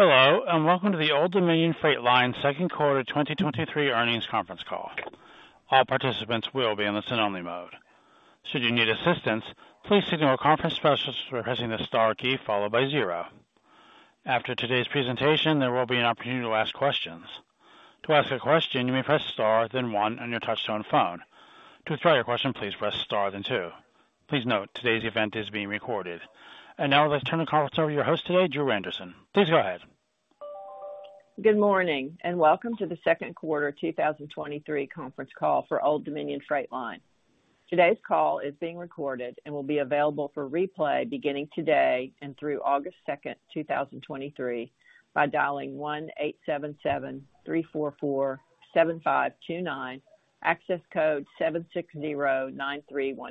Hello, welcome to the Old Dominion Freight Line second quarter 2023 earnings conference call. All participants will be in the listen-only mode. Should you need assistance, please signal a conference specialist by pressing the star key followed by zero. After today's presentation, there will be an opportunity to ask questions. To ask a question, you may press star, then one on your touchtone phone. To withdraw your question, please press star, then two. Please note, today's event is being recorded. Now let's turn the conference over to your host today, Drew Andersen. Please go ahead. Good morning, and welcome to the second quarter 2023 conference call for Old Dominion Freight Line. Today's call is being recorded and will be available for replay beginning today and through August 2, 2023, by dialing 1-877-344-7529, access code 7609314.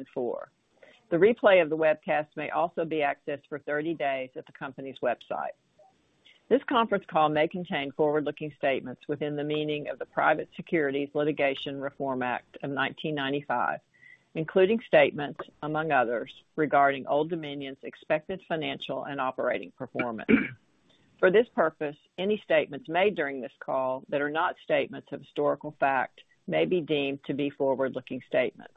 The replay of the webcast may also be accessed for 30 days at the company's website. This conference call may contain forward-looking statements within the meaning of the Private Securities Litigation Reform Act of 1995, including statements, among others, regarding Old Dominion's expected financial and operating performance. For this purpose, any statements made during this call that are not statements of historical fact may be deemed to be forward-looking statements.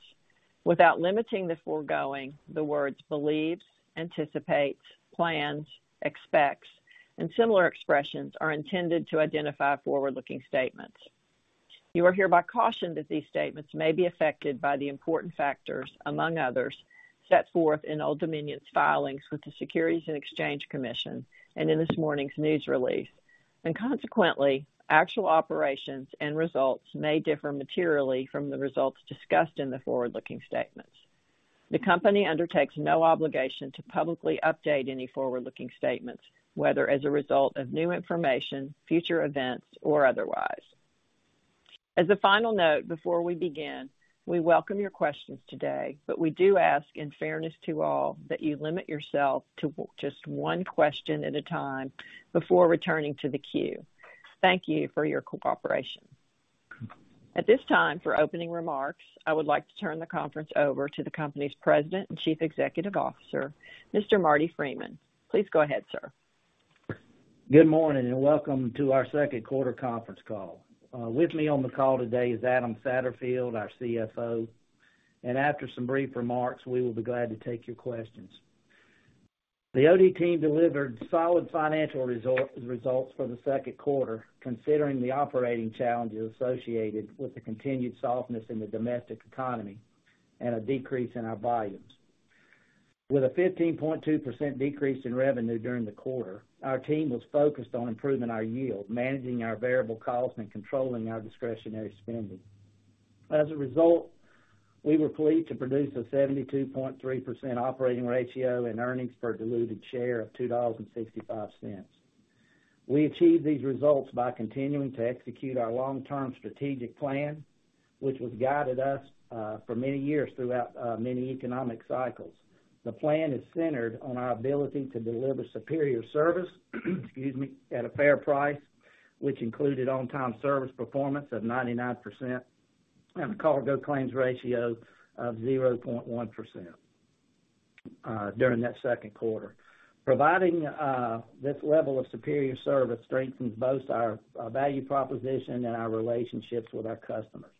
Without limiting the foregoing, the words believes, anticipates, plans, expects, and similar expressions are intended to identify forward-looking statements. You are hereby cautioned that these statements may be affected by the important factors, among others, set forth in Old Dominion's filings with the Securities and Exchange Commission and in this morning's news release, and consequently, actual operations and results may differ materially from the results discussed in the forward-looking statements. The Company undertakes no obligation to publicly update any forward-looking statements, whether as a result of new information, future events, or otherwise. As a final note, before we begin, we welcome your questions today, but we do ask, in fairness to all, that you limit yourself to just one question at a time before returning to the queue. Thank you for your cooperation. At this time, for opening remarks, I would like to turn the conference over to the Company's President and Chief Executive Officer, Mr. Marty Freeman. Please go ahead, sir. Good morning, welcome to our second quarter conference call. With me on the call today is Adam Satterfield, our CFO, after some brief remarks, we will be glad to take your questions. The OD team delivered solid financial results for the second quarter, considering the operating challenges associated with the continued softness in the domestic economy and a decrease in our volumes. With a 15.2% decrease in revenue during the quarter, our team was focused on improving our yield, managing our variable costs, and controlling our discretionary spending. As a result, we were pleased to produce a 72.3% operating ratio and earnings per diluted share of $2.65. We achieved these results by continuing to execute our long-term strategic plan, which has guided us for many years throughout many economic cycles. The plan is centered on our ability to deliver superior service, excuse me, at a fair price, which included on-time service performance of 99% and a cargo claims ratio of 0.1% during that second quarter. Providing this level of superior service strengthens both our value proposition and our relationships with our customers.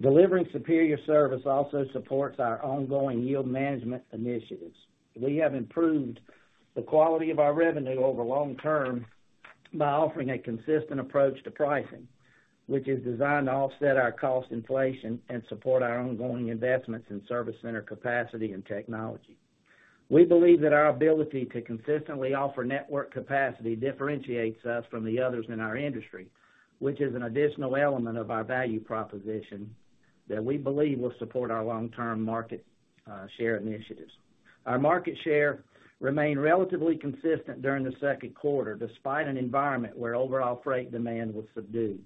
Delivering superior service also supports our ongoing yield management initiatives. We have improved the quality of our revenue over long term by offering a consistent approach to pricing, which is designed to offset our cost inflation and support our ongoing investments in service center capacity and technology. We believe that our ability to consistently offer network capacity differentiates us from the others in our industry, which is an additional element of our value proposition, that we believe will support our long-term market share initiatives. Our market share remained relatively consistent during the second quarter, despite an environment where overall freight demand was subdued.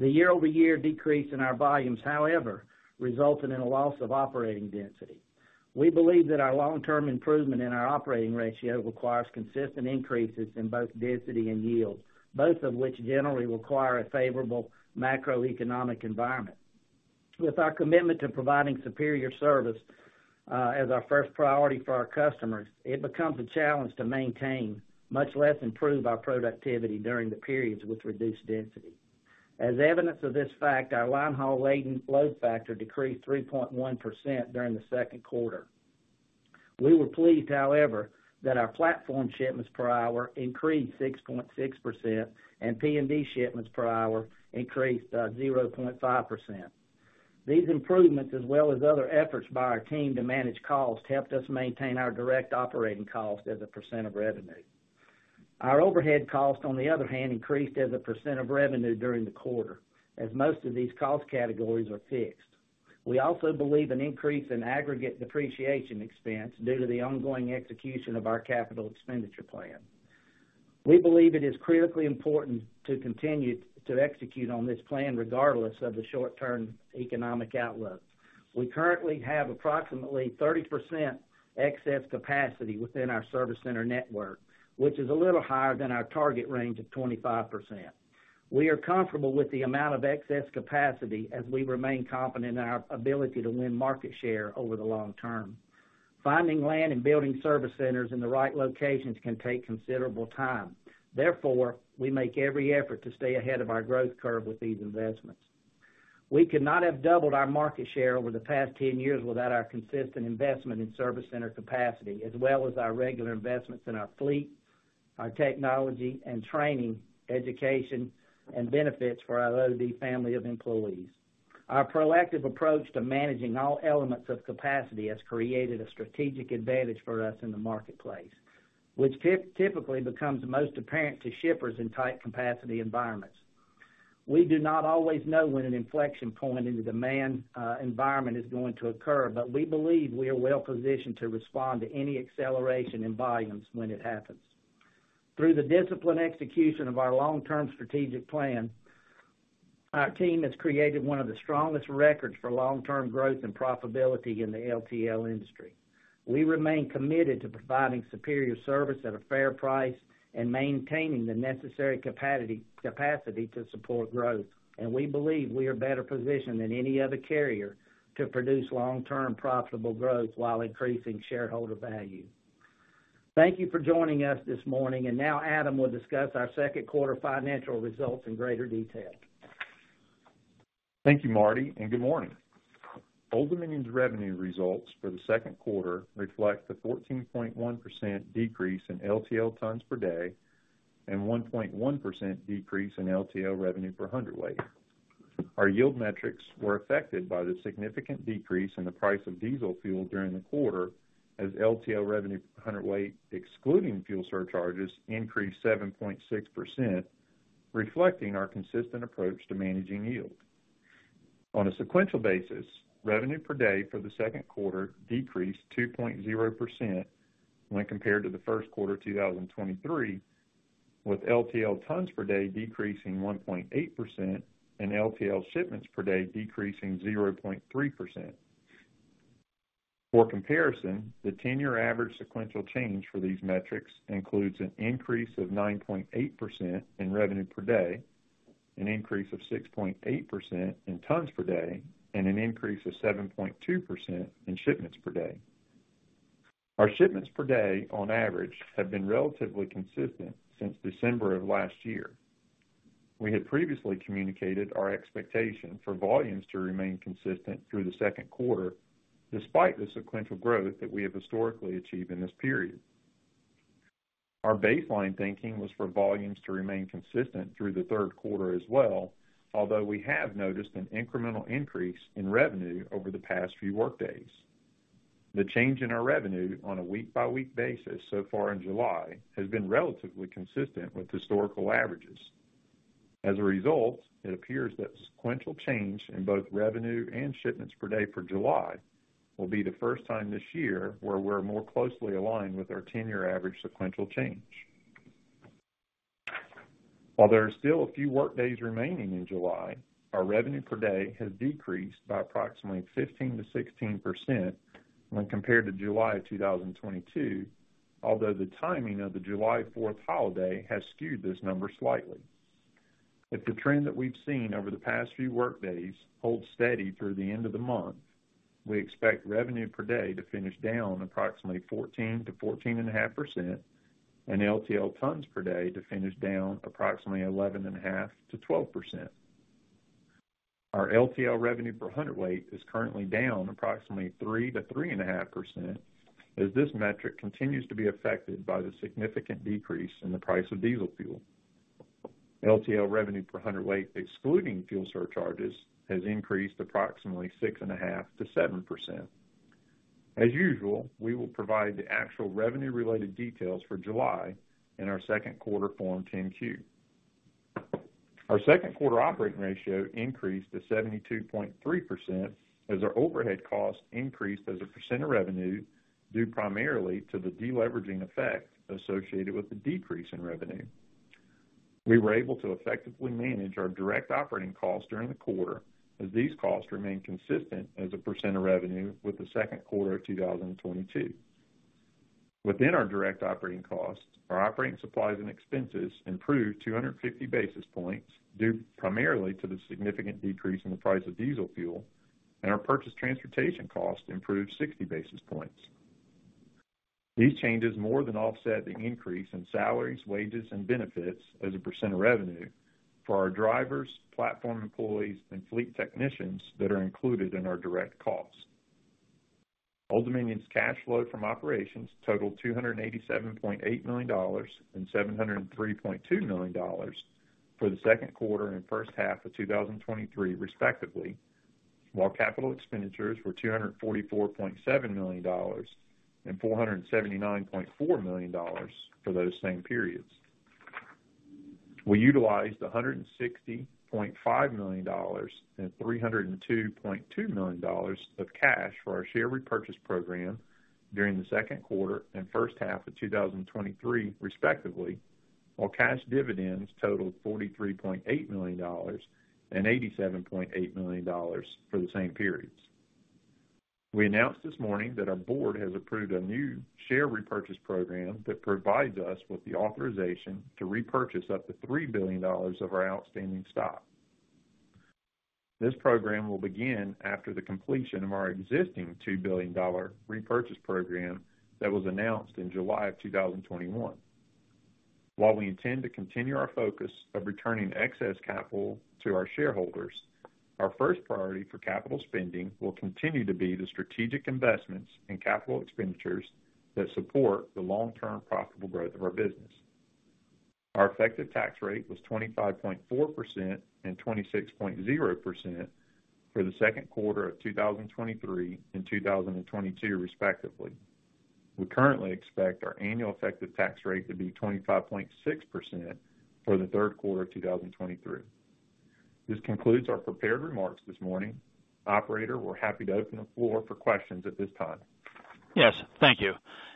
The year-over-year decrease in our volumes, however, resulted in a loss of operating density. We believe that our long-term improvement in our operating ratio requires consistent increases in both density and yield, both of which generally require a favorable macroeconomic environment. With our commitment to providing superior service, as our first priority for our customers, it becomes a challenge to maintain, much less improve our productivity during the periods with reduced density. As evidence of this fact, our linehaul laden load factor decreased 3.1% during the second quarter. We were pleased, however, that our platform shipments per hour increased 6.6% and PMV shipments per hour increased 0.5%. These improvements, as well as other efforts by our team to manage costs, helped us maintain our direct operating cost as a percent of revenue. Our overhead cost, on the other hand, increased as a percent of revenue during the quarter, as most of these cost categories are fixed. We also believe an increase in aggregate depreciation expense due to the ongoing execution of our capital expenditure plan. We believe it is critically important to continue to execute on this plan, regardless of the short-term economic outlook. We currently have approximately 30% excess capacity within our service center network, which is a little higher than our target range of 25%. We are comfortable with the amount of excess capacity as we remain confident in our ability to win market share over the long term. Finding land and building service centers in the right locations can take considerable time. Therefore, we make every effort to stay ahead of our growth curve with these investments. We could not have doubled our market share over the past 10 years without our consistent investment in service center capacity, as well as our regular investments in our fleet, our technology, and training, education, and benefits for our OD family of employees. Our proactive approach to managing all elements of capacity has created a strategic advantage for us in the marketplace, which typically becomes most apparent to shippers in tight capacity environments. We do not always know when an inflection point in the demand environment is going to occur, but we believe we are well positioned to respond to any acceleration in volumes when it happens. Through the disciplined execution of our long-term strategic plan, our team has created one of the strongest records for long-term growth and profitability in the LTL industry. We remain committed to providing superior service at a fair price and maintaining the necessary capacity to support growth, and we believe we are better positioned than any other carrier to produce long-term profitable growth while increasing shareholder value. Thank you for joining us this morning, and now Adam will discuss our second quarter financial results in greater detail. Thank you, Marty, and good morning. Old Dominion's revenue results for the second quarter reflect the 14.1% decrease in LTL tons per day and 1.1% decrease in LTL revenue per hundredweight. Our yield metrics were affected by the significant decrease in the price of diesel fuel during the quarter, as LTL revenue per hundredweight, excluding fuel surcharges, increased 7.6%, reflecting our consistent approach to managing yield. On a sequential basis, revenue per day for the second quarter decreased 2.0% when compared to the first quarter of 2023, with LTL tons per day decreasing 1.8% and LTL shipments per day decreasing 0.3%. For comparison, the 10-year average sequential change for these metrics includes an increase of 9.8% in revenue per day, an increase of 6.8% in tons per day, and an increase of 7.2% in shipments per day. Our shipments per day, on average, have been relatively consistent since December of last year. We had previously communicated our expectation for volumes to remain consistent through the second quarter, despite the sequential growth that we have historically achieved in this period. Our baseline thinking was for volumes to remain consistent through the third quarter as well, although we have noticed an incremental increase in revenue over the past few workdays. The change in our revenue on a week-by-week basis so far in July, has been relatively consistent with historical averages. It appears that sequential change in both revenue and shipments per day for July will be the first time this year where we're more closely aligned with our 10-year average sequential change. While there are still a few workdays remaining in July, our revenue per day has decreased by approximately 15%-16% when compared to July of 2022, although the timing of the July Fourth holiday has skewed this number slightly. If the trend that we've seen over the past few workdays holds steady through the end of the month, we expect revenue per day to finish down approximately 14% to 14.5% and LTL tons per day to finish down approximately 11.5% to 12%. Our LTL revenue per hundredweight is currently down approximately 3% to 3.5%, as this metric continues to be affected by the significant decrease in the price of diesel fuel. LTL revenue per hundredweight, excluding fuel surcharges, has increased approximately 6.5% to 7%. As usual, we will provide the actual revenue-related details for July in our second quarter Form 10-Q. Our second quarter operating ratio increased to 72.3% as our overhead costs increased as a percent of revenue, due primarily to the deleveraging effect associated with the decrease in revenue. We were able to effectively manage our direct operating costs during the quarter, as these costs remained consistent as a percent of revenue with the second quarter of 2022. Within our direct operating costs, our operating supplies and expenses improved 250 basis points, due primarily to the significant decrease in the price of diesel fuel, and our purchased transportation costs improved 60 basis points. These changes more than offset the increase in salaries, wages, and benefits as a % of revenue for our drivers, platform employees, and fleet technicians that are included in our direct costs. Old Dominion's cash flow from operations totaled $287.8 million and $703.2 million for the second quarter and first half of 2023, respectively, while capital expenditures were $244.7 million and $479.4 million for those same periods. We utilized $160.5 million and $302.2 million of cash for our share repurchase program during the second quarter and first half of 2023, respectively, while cash dividends totaled $43.8 million and $87.8 million for the same periods. We announced this morning that our board has approved a new share repurchase program that provides us with the authorization to repurchase up to $3 billion of our outstanding stock. This program will begin after the completion of our existing $2 billion repurchase program that was announced in July of 2021. While we intend to continue our focus of returning excess capital to our shareholders, our first priority for capital spending will continue to be the strategic investments in capital expenditures that support the long-term profitable growth of our business. Our effective tax rate was 25.4% and 26.0% for the second quarter of 2023 and 2022 respectively. We currently expect our annual effective tax rate to be 25.6% for the third quarter of 2023. This concludes our prepared remarks this morning. Operator, we're happy to open the floor for questions at this time. Yes, thank you.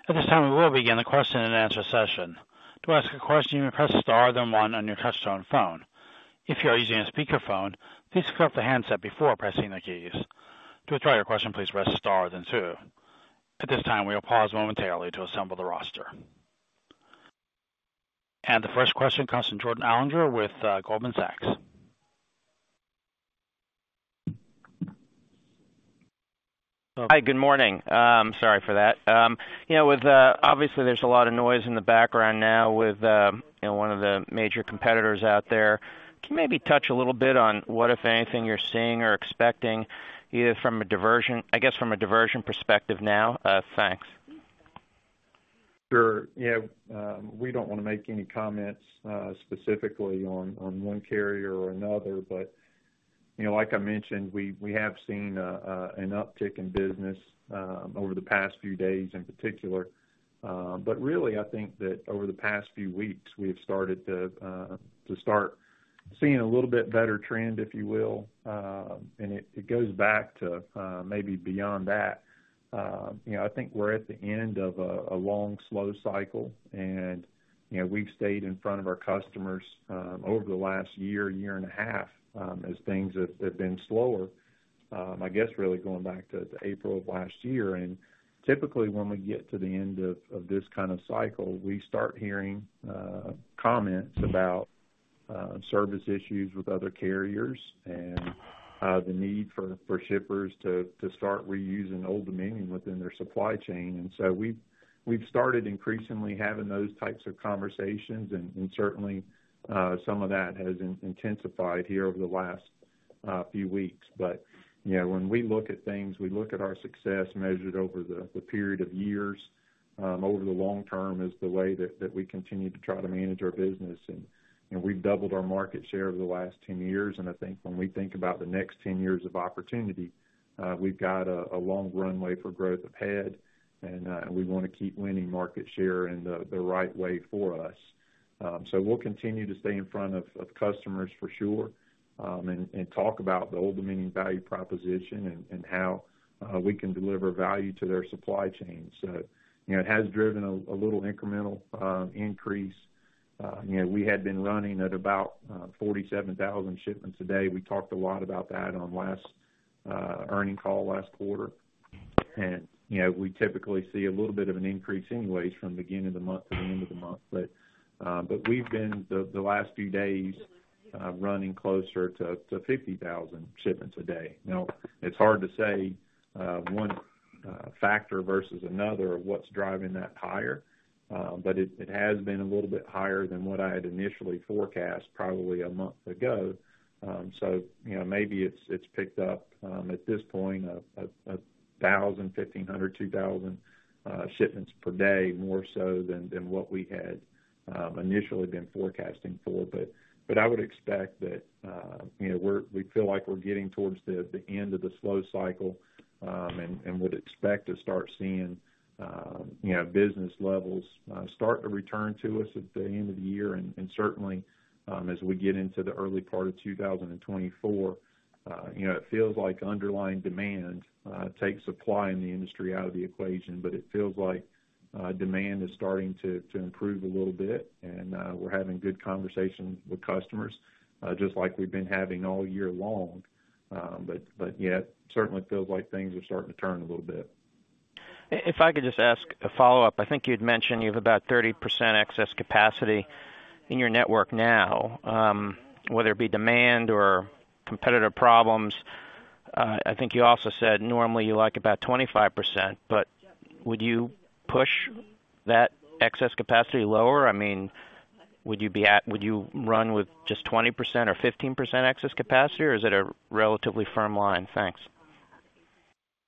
At this time, we will begin the question-and-answer session. To ask a question, press star, then one on your touchtone phone. If you are using a speakerphone, please click up the handset before pressing the keys. To withdraw your question, please press star, then two. At this time, we will pause momentarily to assemble the roster. The first question comes from Jordan Alliger with Goldman Sachs. Hi, good morning. Sorry for that. You know, with, obviously there's a lot of noise in the background now with, you know, one of the major competitors out there. Can you maybe touch a little bit on what, if anything, you're seeing or expecting, either from a diversion, I guess, from a diversion perspective now? Thanks. Sure. Yeah, we don't want to make any comments specifically on one carrier or another, but, you know, like I mentioned, we have seen an uptick in business over the past few days, in particular. Really, I think that over the past few weeks, we have started to start seeing a little bit better trend, if you will. It goes back to maybe beyond that. You know, I think we're at the end of a long, slow cycle, and, you know, we've stayed in front of our customers over the last year and a half, as things have been slower. I guess, really going back to April of last year, typically, when we get to the end of this kind of cycle, we start hearing comments about service issues with other carriers and the need for shippers to start reusing Old Dominion within their supply chain. We've started increasingly having those types of conversations, and certainly, some of that has intensified here over the last few weeks. You know, when we look at things, we look at our success measured over the period of years, over the long term, is the way that we continue to try to manage our business, and we've doubled our market share over the last 10 years. I think when we think about the next 10 years of opportunity, we've got a long runway for growth ahead, and we want to keep winning market share in the right way for us. So we'll continue to stay in front of customers for sure, and talk about the Old Dominion value proposition and how we can deliver value to their supply chain. You know, it has driven a little incremental increase. You know, we had been running at about 47,000 shipments a day. We talked a lot about that on last earning call last quarter. You know, we typically see a little bit of an increase anyways from the beginning of the month to the end of the month. We've been the last few days running closer to 50,000 shipments a day. Now, it's hard to say one factor versus another of what's driving that higher, but it has been a little bit higher than what I had initially forecast probably a month ago. You know, maybe it's picked up at this point 1,000, 1,500, 2,000 shipments per day, more so than what we had initially been forecasting for. I would expect that, you know, we feel like we're getting towards the end of the slow cycle, and would expect to start seeing, you know, business levels start to return to us at the end of the year. Certainly, as we get into the early part of 2024, you know, it feels like underlying demand takes supply in the industry out of the equation, but it feels like demand is starting to improve a little bit. We're having good conversations with customers, just like we've been having all year long. Yeah, it certainly feels like things are starting to turn a little bit. If I could just ask a follow-up. I think you'd mentioned you have about 30% excess capacity in your network now, whether it be demand or competitive problems. I think you also said normally you like about 25%. Would you push that excess capacity lower? I mean, would you run with just 20% or 15% excess capacity, or is it a relatively firm line? Thanks.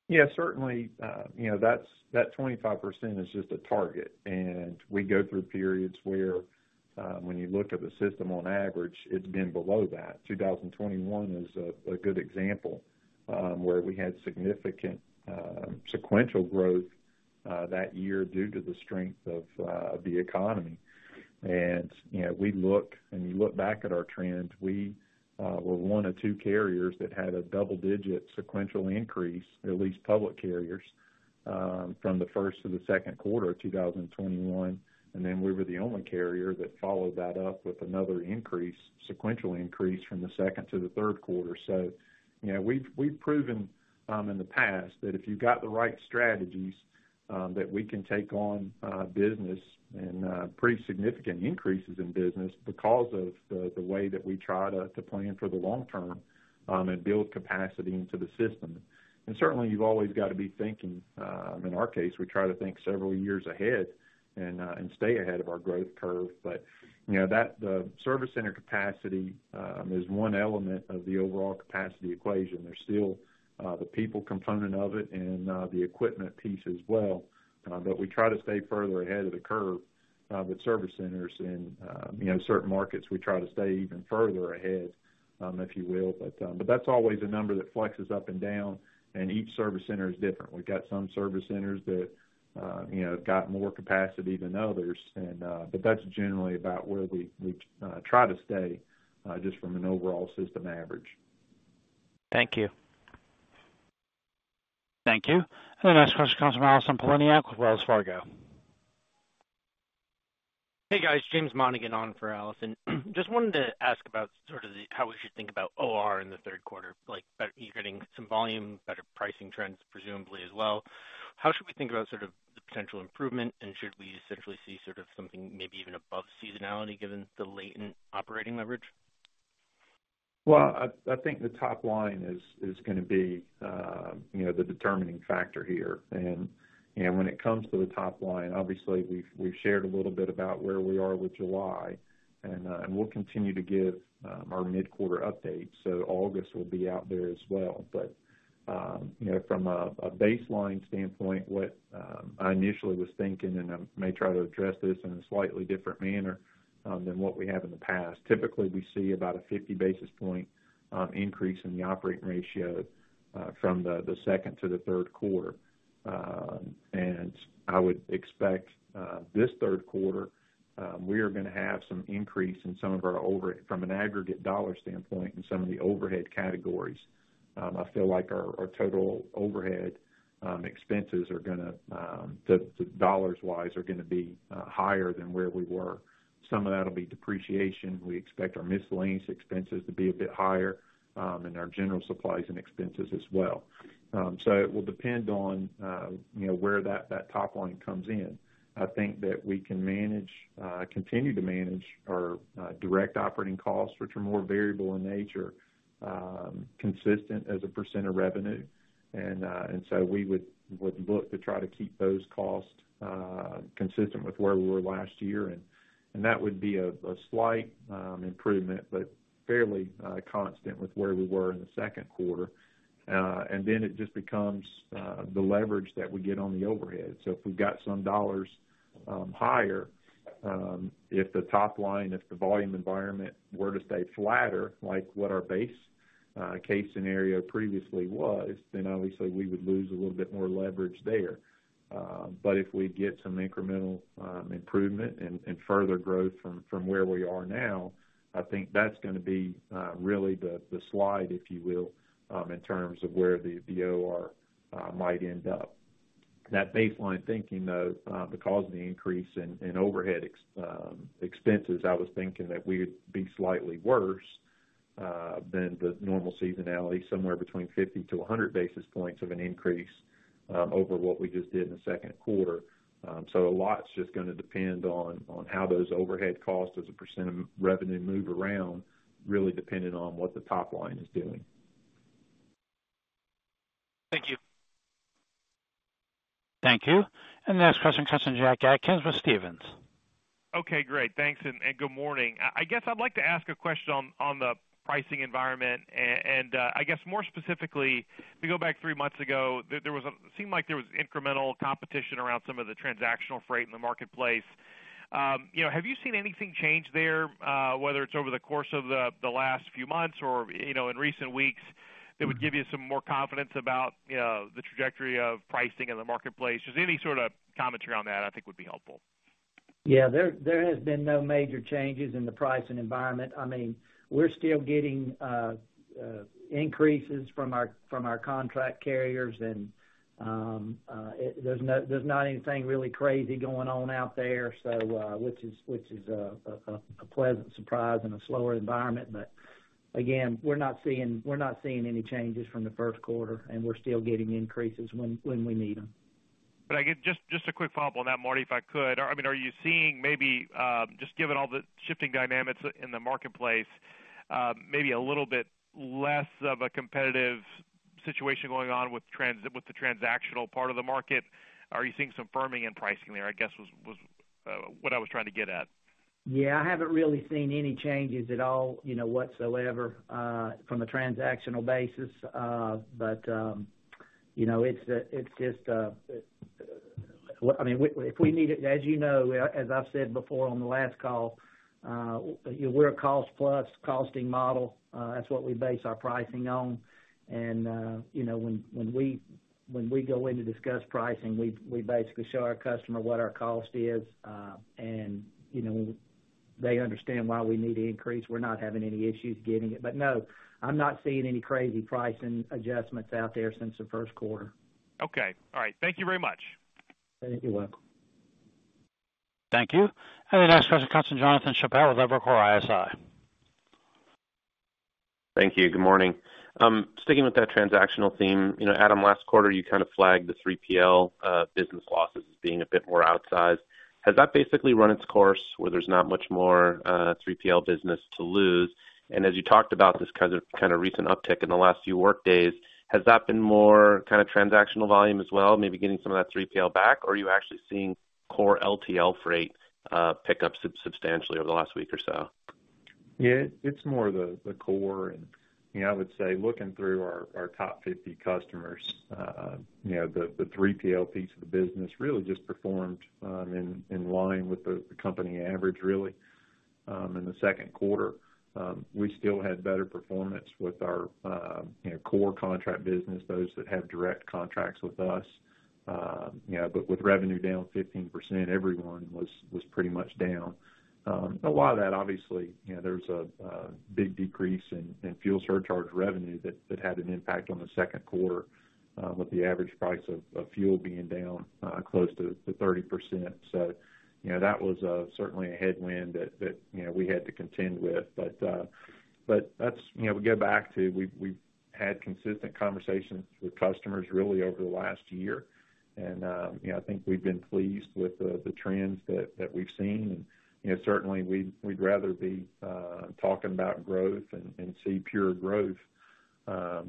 Yeah, certainly, you know, that's, that 25% is just a target, and we go through periods where, when you look at the system on average, it's been below that. 2021 is a good example, where we had significant sequential growth that year due to the strength of the economy. you know, we look and you look back at our trends, we were 1 of 2 carriers that had a double-digit sequential increase, at least public carriers. from the first to the second quarter of 2021, then we were the only carrier that followed that up with another increase, sequential increase from the second to the third quarter. You know, we've proven in the past that if you've got the right strategies, that we can take on business and pretty significant increases in business because of the way that we try to plan for the long term and build capacity into the system. Certainly, you've always got to be thinking, in our case, we try to think several years ahead and stay ahead of our growth curve. You know, the service center capacity is one element of the overall capacity equation. There's still the people component of it and the equipment piece as well. But we try to stay further ahead of the curve with service centers, and, you know, certain markets, we try to stay even further ahead, if you will. That's always a number that flexes up and down, and each service center is different. We've got some service centers that, you know, have got more capacity than others. That's generally about where we try to stay just from an overall system average. Thank you. Thank you. The next question comes from Allison Poliniak with Wells Fargo. Hey, guys. James Monigan on for Allison. Just wanted to ask about sort of the how we should think about OR in the third quarter, like, about you getting some volume, better pricing trends, presumably as well. How should we think about sort of the potential improvement, and should we essentially see sort of something maybe even above seasonality, given the latent operating leverage? Well, I think the top line is gonna be, you know, the determining factor here. When it comes to the top line, obviously, we've shared a little bit about where we are with July, and we'll continue to give our mid-quarter update, so August will be out there as well. You know, from a baseline standpoint, what I initially was thinking, and I may try to address this in a slightly different manner than what we have in the past. Typically, we see about a 50 basis point increase in the operating ratio from the second to the third quarter. I would expect this third quarter, we are gonna have some increase in some of our From an aggregate dollar standpoint, in some of the overhead categories. I feel like our total overhead expenses dollars-wise, are gonna be higher than where we were. Some of that'll be depreciation. We expect our miscellaneous expenses to be a bit higher, and our general supplies and expenses as well. It will depend on, you know, where that top line comes in. I think that we can manage, continue to manage our direct operating costs, which are more variable in nature, consistent as a % of revenue. We would look to try to keep those costs consistent with where we were last year, and that would be a slight improvement, but fairly constant with where we were in the second quarter. It just becomes the leverage that we get on the overhead. If we've got some dollars higher, if the top line, if the volume environment were to stay flatter, like what our base case scenario previously was, then obviously we would lose a little bit more leverage there. If we get some incremental improvement and further growth from where we are now, I think that's gonna be really the slide, if you will, in terms of where the OR might end up. That baseline thinking, though, because of the increase in overhead expenses, I was thinking that we would be slightly worse than the normal seasonality, somewhere between 50-100 basis points of an increase over what we just did in the second quarter. A lot's just gonna depend on how those overhead costs, as a % of revenue, move around, really dependent on what the top line is doing. Thank you. Thank you. The next question, Jack Atkins with Stephens. Okay, great. Thanks. Good morning. I guess I'd like to ask a question on the pricing environment and I guess more specifically, to go back three months ago, there seemed like there was incremental competition around some of the transactional freight in the marketplace. You know, have you seen anything change there, whether it's over the course of the last few months or, you know, in recent weeks, that would give you some more confidence about, you know, the trajectory of pricing in the marketplace? Just any sort of commentary on that, I think, would be helpful. Yeah, there has been no major changes in the pricing environment. I mean, we're still getting increases from our contract carriers, there's no, there's not anything really crazy going on out there, which is a pleasant surprise in a slower environment. Again, we're not seeing any changes from the first quarter, and we're still getting increases when we need them. I guess, just a quick follow-up on that, Marty, if I could. I mean, are you seeing maybe, just given all the shifting dynamics in the marketplace, maybe a little bit less of a competitive situation going on with the transactional part of the market? Are you seeing some firming in pricing there, I guess, was what I was trying to get at? Yeah, I haven't really seen any changes at all, you know, whatsoever, from a transactional basis. You know, I mean, if we need it, as you know, as I've said before on the last call, you know, we're a cost-plus costing model. That's what we base our pricing on. You know, when we go in to discuss pricing, we basically show our customer what our cost is, and, you know, they understand why we need to increase. We're not having any issues getting it. No, I'm not seeing any crazy pricing adjustments out there since the first quarter. Okay, all right. Thank you very much. You're welcome. Thank you. The next question comes from Jonathan Chappell with Evercore ISI. Thank you. Good morning. Sticking with that transactional theme, you know, Adam, last quarter, you kind of flagged the 3PL business losses as being a bit more outsized. Has that basically run its course, where there's not much more 3PL business to lose? As you talked about this kind of recent uptick in the last few work days, has that been more kind of transactional volume as well, maybe getting some of that 3PL back? Are you actually seeing core LTL freight pick up substantially over the last week or so? Yeah, it's more the core. You know, I would say, looking through our top 50 customers, you know, the 3PL piece of the business really just performed in line with the company average, really. In the second quarter, we still had better performance with our, you know, core contract business, those that have direct contracts with us. You know, but with revenue down 15%, everyone was pretty much down. A lot of that, obviously, you know, there's a big decrease in fuel surcharge revenue that had an impact on the second quarter, with the average price of fuel being down close to 30%. You know, that was certainly a headwind that, you know, we had to contend with. But that's... You know, we go back to we've had consistent conversations with customers really over the last year, and, you know, I think we've been pleased with the trends that we've seen. You know, certainly we'd rather be talking about growth and see pure growth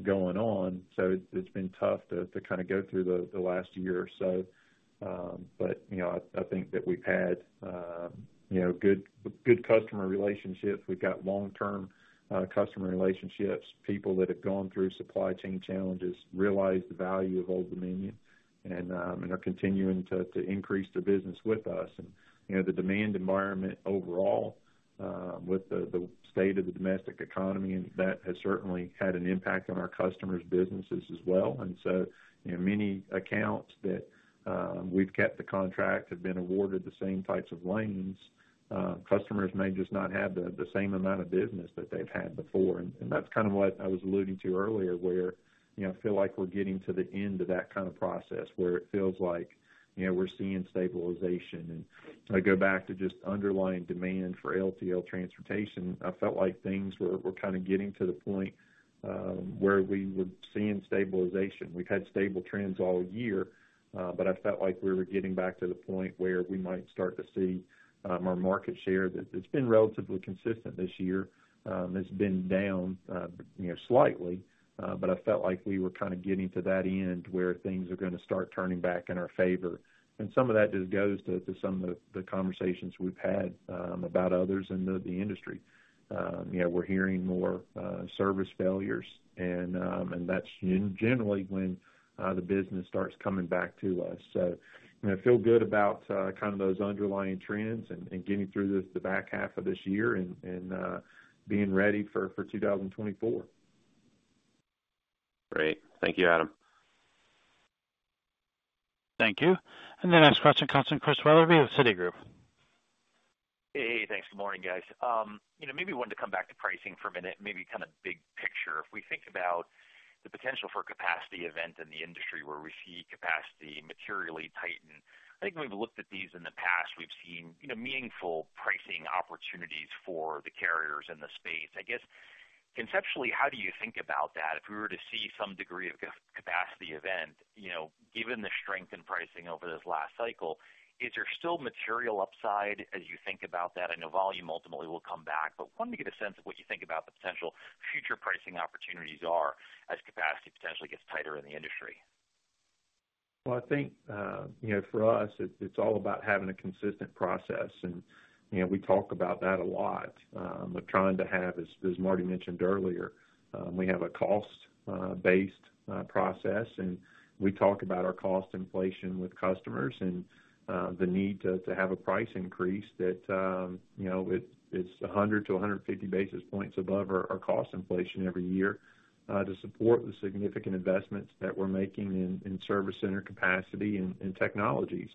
going on. It's been tough to kind of go through the last year or so. You know, I think that we've had, you know, good customer relationships. We've got long-term customer relationships. People that have gone through supply chain challenges realize the value of Old Dominion and are continuing to increase their business with us. You know, the demand environment overall, with the state of the domestic economy, and that has certainly had an impact on our customers' businesses as well. You know, many accounts that we've kept the contract have been awarded the same types of lanes, customers may just not have the same amount of business that they've had before. That's kind of what I was alluding to earlier, where, you know, I feel like we're getting to the end of that kind of process, where it feels like, you know, we're seeing stabilization. I go back to just underlying demand for LTL transportation. I felt like things were kind of getting to the point where we were seeing stabilization. We've had stable trends all year, but I felt like we were getting back to the point where we might start to see our market share. That it's been relatively consistent this year. It's been down, you know, slightly, but I felt like we were kind of getting to that end, where things are going to start turning back in our favor. Some of that just goes to some of the conversations we've had, about others in the industry. You know, we're hearing more, service failures, and that's generally when the business starts coming back to us. You know, feel good about, kind of those underlying trends and getting through the back half of this year and, being ready for 2024. Great. Thank you, Adam. Thank you. The next question comes from Christian Wetherbee of Citigroup. Thanks. Good morning, guys. You know, maybe wanted to come back to pricing for a minute, maybe kind of big picture. If we think about the potential for a capacity event in the industry where we see capacity materially tighten, I think when we've looked at these in the past, we've seen, you know, meaningful pricing opportunities for the carriers in the space. I guess, conceptually, how do you think about that? If we were to see some degree of capacity event, you know, given the strength in pricing over this last cycle, is there still material upside as you think about that? I know volume ultimately will come back, but wanted to get a sense of what you think about the potential future pricing opportunities are, as capacity potentially gets tighter in the industry. Well, I think, you know, for us, it's all about having a consistent process. You know, we talk about that a lot. We're trying to have, as Marty mentioned earlier, we have a cost based process, we talk about our cost inflation with customers and the need to have a price increase that, you know, it's 100-150 basis points above our cost inflation every year to support the significant investments that we're making in service center capacity and technologies.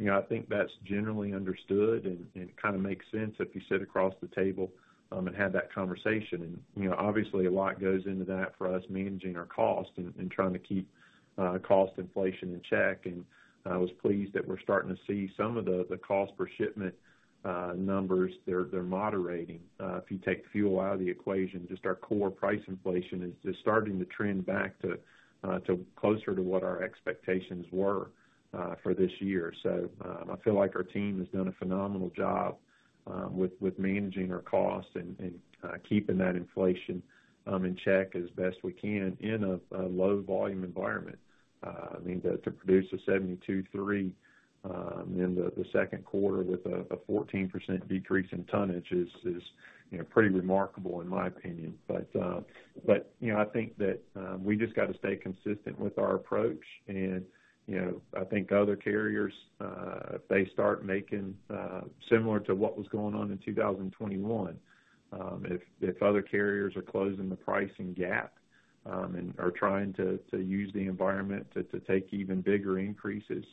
You know, I think that's generally understood and kind of makes sense if you sit across the table and have that conversation. You know, obviously, a lot goes into that for us, managing our cost and trying to keep cost inflation in check. I was pleased that we're starting to see some of the cost per shipment numbers. They're moderating. If you take fuel out of the equation, just our core price inflation is just starting to trend back to closer to what our expectations were for this year. I feel like our team has done a phenomenal job with managing our cost and keeping that inflation in check as best we can in a low volume environment. I mean, to produce a 72.3 in the second quarter with a 14% decrease in tonnage is, you know, pretty remarkable in my opinion. You know, I think that we just got to stay consistent with our approach. You know, I think other carriers, if they start making similar to what was going on in 2021, if other carriers are closing the pricing gap and are trying to use the environment to take even bigger increases,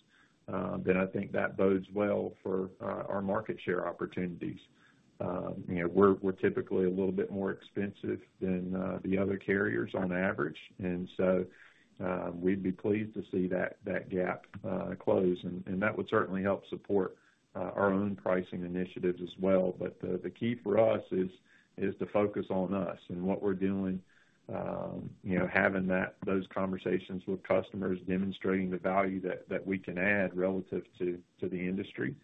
then I think that bodes well for our market share opportunities. You know, we're typically a little bit more expensive than the other carriers on average, and so we'd be pleased to see that gap close, and that would certainly help support our own pricing initiatives as well. The key for us is to focus on us and what we're doing, you know, having those conversations with customers, demonstrating the value that we can add relative to the industry,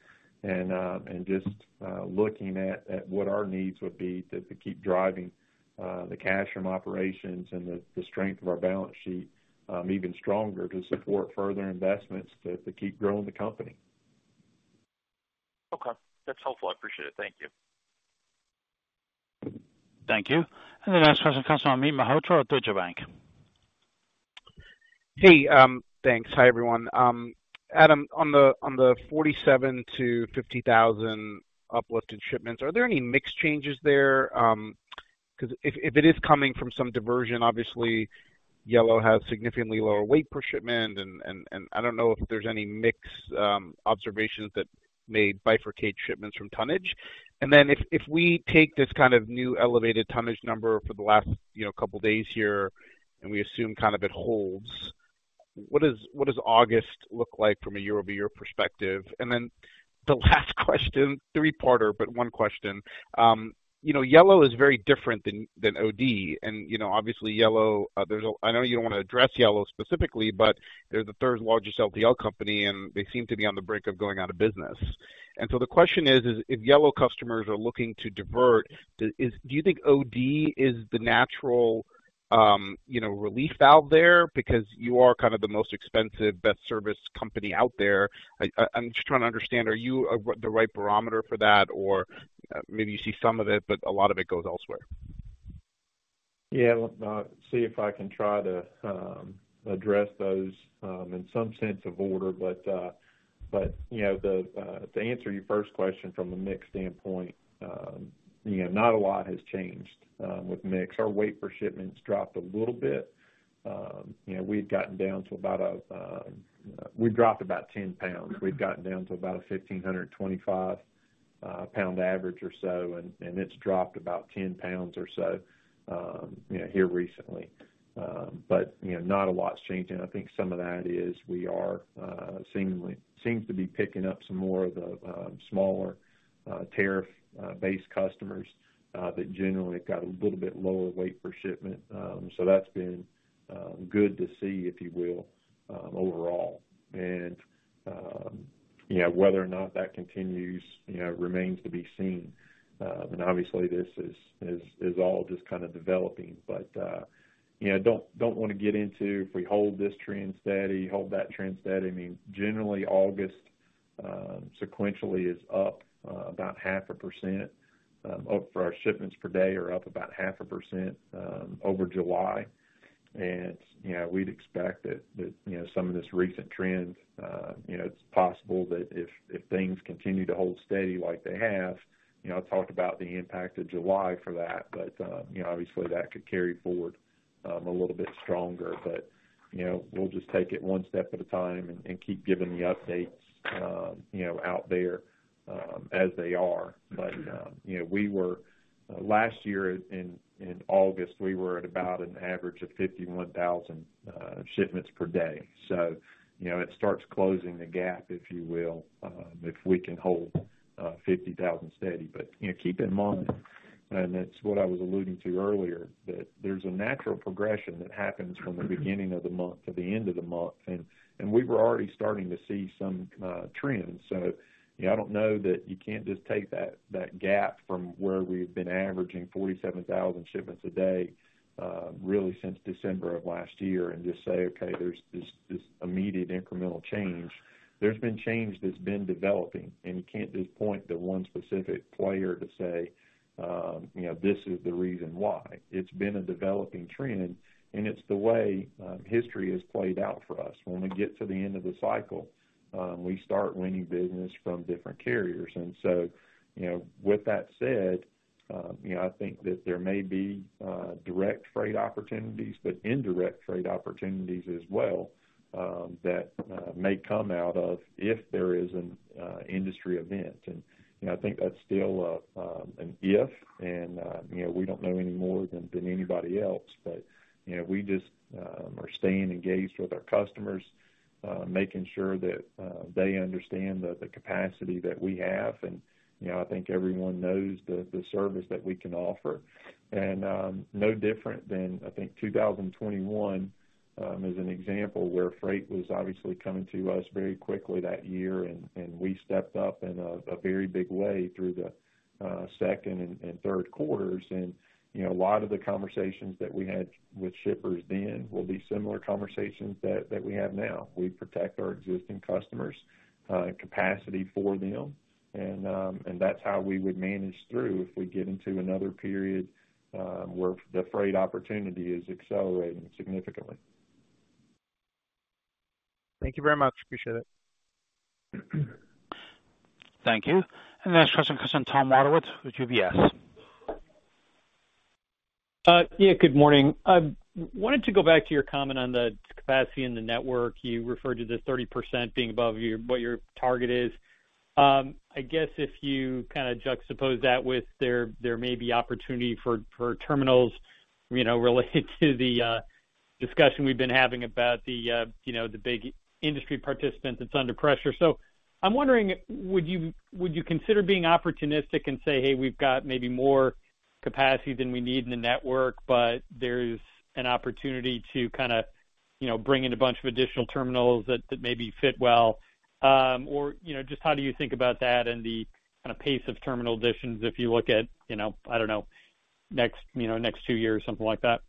and just looking at what our needs would be to keep driving the cash from operations and the strength of our balance sheet even stronger to support further investments to keep growing the company. Okay. That's helpful. I appreciate it. Thank you. Thank you. The next question comes from Amit Mehrotra, Deutsche Bank. Hey, thanks. Hi, everyone. Adam, on the 47,000-50,000 uplifted shipments, are there any mix changes there? Because if it is coming from some diversion, obviously, Yellow has significantly lower weight per shipment, and I don't know if there's any mix observations that may bifurcate shipments from tonnage. If we take this kind of new elevated tonnage number for the last, you know, couple of days here, and we assume kind of it holds, what does August look like from a year-over-year perspective? The last question, 3-parter, but 1 question. You know, Yellow is very different than OD, and, you know, obviously, Yellow, there's a... I know you don't want to address Yellow specifically, they're the third largest LTL company, they seem to be on the brink of going out of business. The question is, if Yellow customers are looking to divert, do you think OD is the natural, you know, relief valve there? Because you are kind of the most expensive, best service company out there. I'm just trying to understand, are you the right barometer for that, or maybe you see some of it, but a lot of it goes elsewhere? Yeah. Let me see if I can try to address those in some sense of order. You know, to answer your first question from a mix standpoint, you know, not a lot has changed with mix. Our weight per shipments dropped a little bit. You know, we've gotten down to about a, we've dropped about 10 pounds. We've gotten down to about a 1,525 pound average or so, and it's dropped about 10 pounds or so, you know, here recently. You know, not a lot's changing. I think some of that is we are, seemingly, seems to be picking up some more of the smaller tariff base customers that generally have got a little bit lower weight per shipment. That's been good to see, if you will, overall. You know, whether or not that continues, you know, remains to be seen. Obviously, this is all just kind of developing, but, you know, don't want to get into if we hold this trend steady, hold that trend steady. I mean, generally, August, sequentially is up about 0.5%, up for our shipments per day are up about 0.5% over July. You know, we'd expect that, you know, some of this recent trends, you know, it's possible that if things continue to hold steady like they have, you know, I talked about the impact of July for that, but, you know, obviously, that could carry forward a little bit stronger. You know, we'll just take it one step at a time and keep giving the updates, you know, out there, as they are. You know, we were last year in August, we were at about an average of 51,000 shipments per day. You know, it starts closing the gap, if you will, if we can hold 50,000 steady. You know, keep in mind, and it's what I was alluding to earlier, that there's a natural progression that happens from the beginning of the month to the end of the month, and we were already starting to see some trends. You know, I don't know that you can't just take that gap from where we've been averaging 47,000 shipments a day, really since December of last year and just say, okay, there's this immediate incremental change. There's been change that's been developing, you can't just point to one specific player to say, you know, this is the reason why. It's been a developing trend, it's the way history has played out for us. When we get to the end of the cycle, we start winning business from different carriers. You know, with that said, you know, I think that there may be direct freight opportunities, but indirect freight opportunities as well, that may come out of if there is an industry event. You know, I think that's still an if, and, you know, we don't know any more than anybody else, but, you know, we just are staying engaged with our customers, making sure that they understand the capacity that we have. You know, I think everyone knows the service that we can offer. No different than, I think, 2021, as an example, where freight was obviously coming to us very quickly that year, and we stepped up in a very big way through the 2nd and 3rd quarters. You know, a lot of the conversations that we had with shippers then will be similar conversations that we have now. We protect our existing customers, capacity for them, and that's how we would manage through if we get into another period, where the freight opportunity is accelerating significantly. Thank you very much. Appreciate it. Thank you. The next question comes from Tom Wadewitz with UBS. Yeah, good morning. I wanted to go back to your comment on the capacity in the network. You referred to the 30% being above your, what your target is. I guess if you kind of juxtapose that with there may be opportunity for terminals, you know, related to the discussion we've been having about the, you know, the big industry participants that's under pressure. I'm wondering, would you consider being opportunistic and say: Hey, we've got maybe more capacity than we need in the network, but there's an opportunity to kind of, you know, bring in a bunch of additional terminals that maybe fit well? You know, just how do you think about that and the kind of pace of terminal additions, if you look at, you know, I don't know, next, you know, next 2 years, something like that?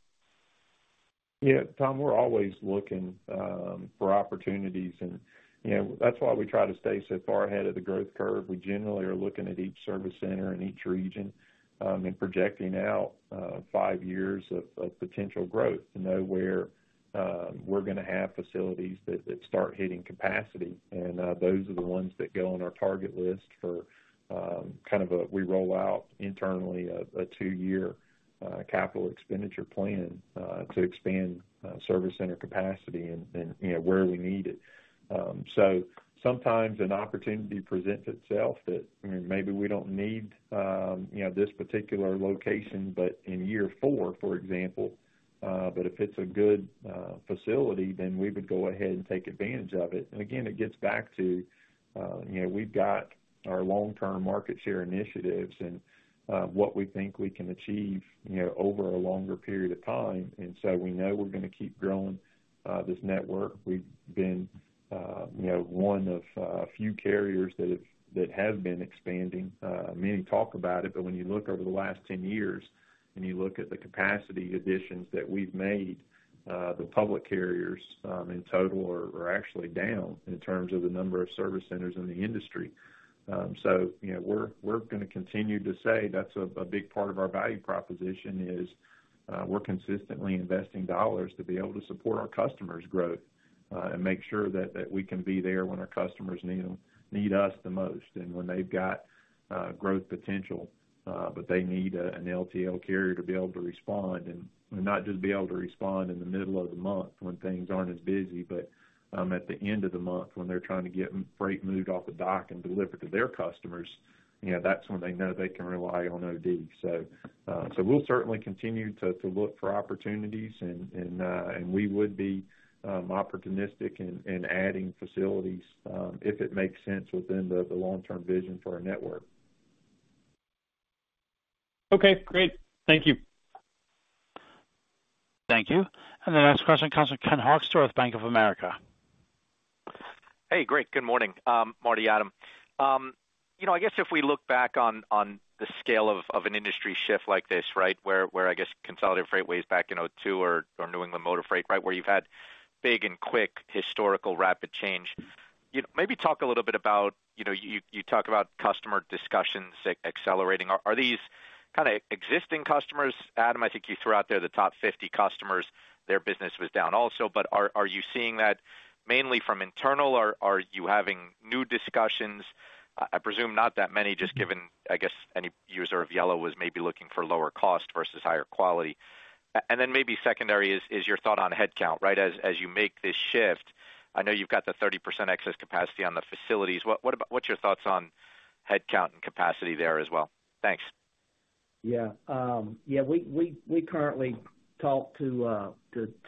Yeah, Tom, we're always looking for opportunities, and, you know, that's why we try to stay so far ahead of the growth curve. We generally are looking at each service center in each region, and projecting out 5 years of potential growth to know where we're going to have facilities that start hitting capacity. Those are the ones that go on our target list for kind of a we roll out internally a 2-year capital expenditure plan to expand service center capacity and, you know, where we need it. Sometimes an opportunity presents itself that, I mean, maybe we don't need, you know, this particular location, but in year 4, for example, but if it's a good facility, then we would go ahead and take advantage of it. Again, it gets back to, you know, we've got our long-term market share initiatives and what we think we can achieve, you know, over a longer period of time. We know we're going to keep growing this network. We've been, you know, one of a few carriers that have been expanding. Many talk about it, but when you look over the last 10 years, and you look at the capacity additions that we've made, the public carriers, in total are actually down in terms of the number of service centers in the industry. You know, we're going to continue to say that's a big part of our value proposition is we're consistently investing dollars to be able to support our customers' growth, and make sure that we can be there when our customers need them, need us the most. When they've got growth potential, but they need an LTL carrier to be able to respond, and not just be able to respond in the middle of the month when things aren't as busy, but at the end of the month, when they're trying to get freight moved off the dock and delivered to their customers, you know, that's when they know they can rely on OD. We'll certainly continue to look for opportunities and we would be opportunistic in adding facilities, if it makes sense within the long-term vision for our network. Okay, great. Thank you. Thank you. The next question comes from Ken Hoexter with Bank of America. Hey, great. Good morning, Marty, Adam. You know, I guess if we look back on the scale of an industry shift like this, right? Where, where, I guess, Consolidated Freightways back in 2002 or New England Motor Freight, right, where you've had big and quick historical, rapid change. You know, maybe talk a little bit about, you know, you talk about customer discussions accelerating. Are these kind of existing customers? Adam, I think you threw out there the top 50 customers, their business was down also. Are you seeing that mainly from internal, or are you having new discussions? I presume not that many, just given, I guess, any user of Yellow was maybe looking for lower cost versus higher quality. Then maybe secondary is your thought on headcount, right? As you make this shift, I know you've got the 30% excess capacity on the facilities. What about what's your thoughts on headcount and capacity there as well? Thanks. Yeah. Yeah, we currently talk to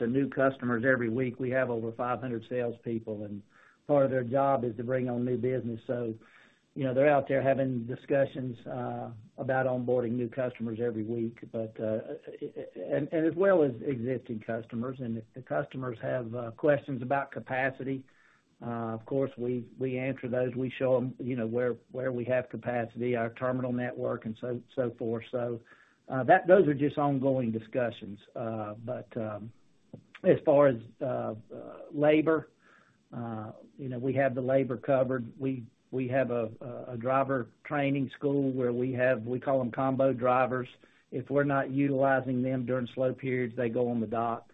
new customers every week. We have over 500 salespeople, and part of their job is to bring on new business. You know, they're out there having discussions about onboarding new customers every week, and as well as existing customers. If the customers have questions about capacity, of course, we answer those. We show them, you know, where we have capacity, our terminal network, and so forth. Those are just ongoing discussions. As far as labor, you know, we have the labor covered. We have a driver training school where we have, we call them combo drivers. If we're not utilizing them during slow periods, they go on the dock,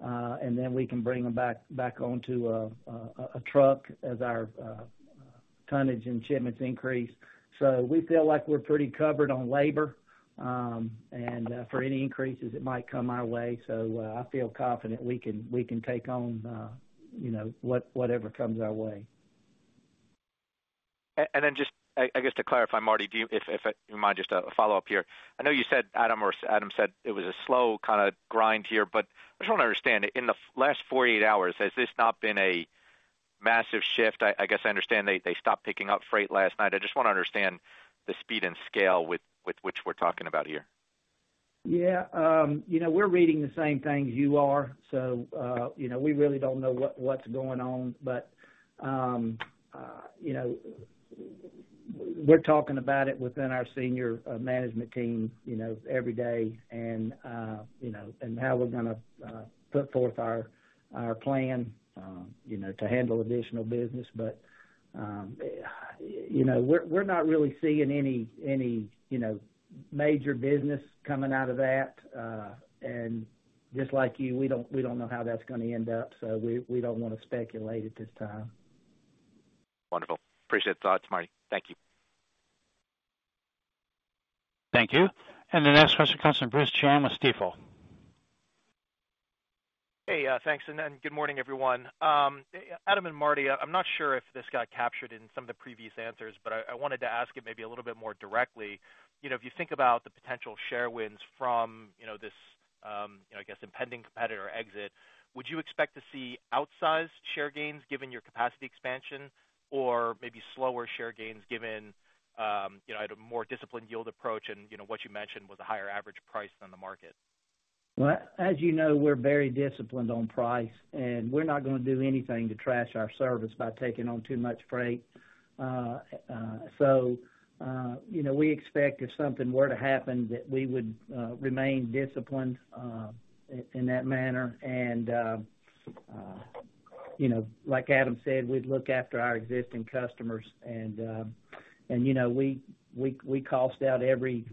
and then we can bring them back onto a truck as our tonnage and shipments increase. We feel like we're pretty covered on labor, and for any increases that might come our way. I feel confident we can take on, you know, whatever comes our way. Then just, I guess, to clarify, Marty, do you, if you mind, just a follow-up here. I know you said Adam or Adam said it was a slow kind of grind here, I just want to understand, in the last 48 hours, has this not been a massive shift? I guess I understand they stopped picking up freight last night. I just want to understand the speed and scale with which we're talking about here. Yeah, you know, we're reading the same thing as you are. You know, we really don't know what's going on. You know, we're talking about it within our senior management team, you know, every day and, you know, and how we're going to put forth our plan, you know, to handle additional business. You know, we're not really seeing any, you know, major business coming out of that. Just like you, we don't, we don't know how that's going to end up. We don't want to speculate at this time. Wonderful. Appreciate the thoughts, Marty. Thank you. Thank you. The next question comes from Bruce Chan with Stifel. Hey, thanks, good morning, everyone. Adam and Marty, I'm not sure if this got captured in some of the previous answers, but I wanted to ask it maybe a little bit more directly. You know, if you think about the potential share wins from, you know, this, I guess, impending competitor exit, would you expect to see outsized share gains given your capacity expansion or maybe slower share gains, given, you know, at a more disciplined yield approach, and, you know, what you mentioned was a higher average price than the market? As you know, we're very disciplined on price, and we're not going to do anything to trash our service by taking on too much freight. You know, we expect if something were to happen, that we would remain disciplined in that manner. You know, like Adam said, we'd look after our existing customers, and, you know, we cost out every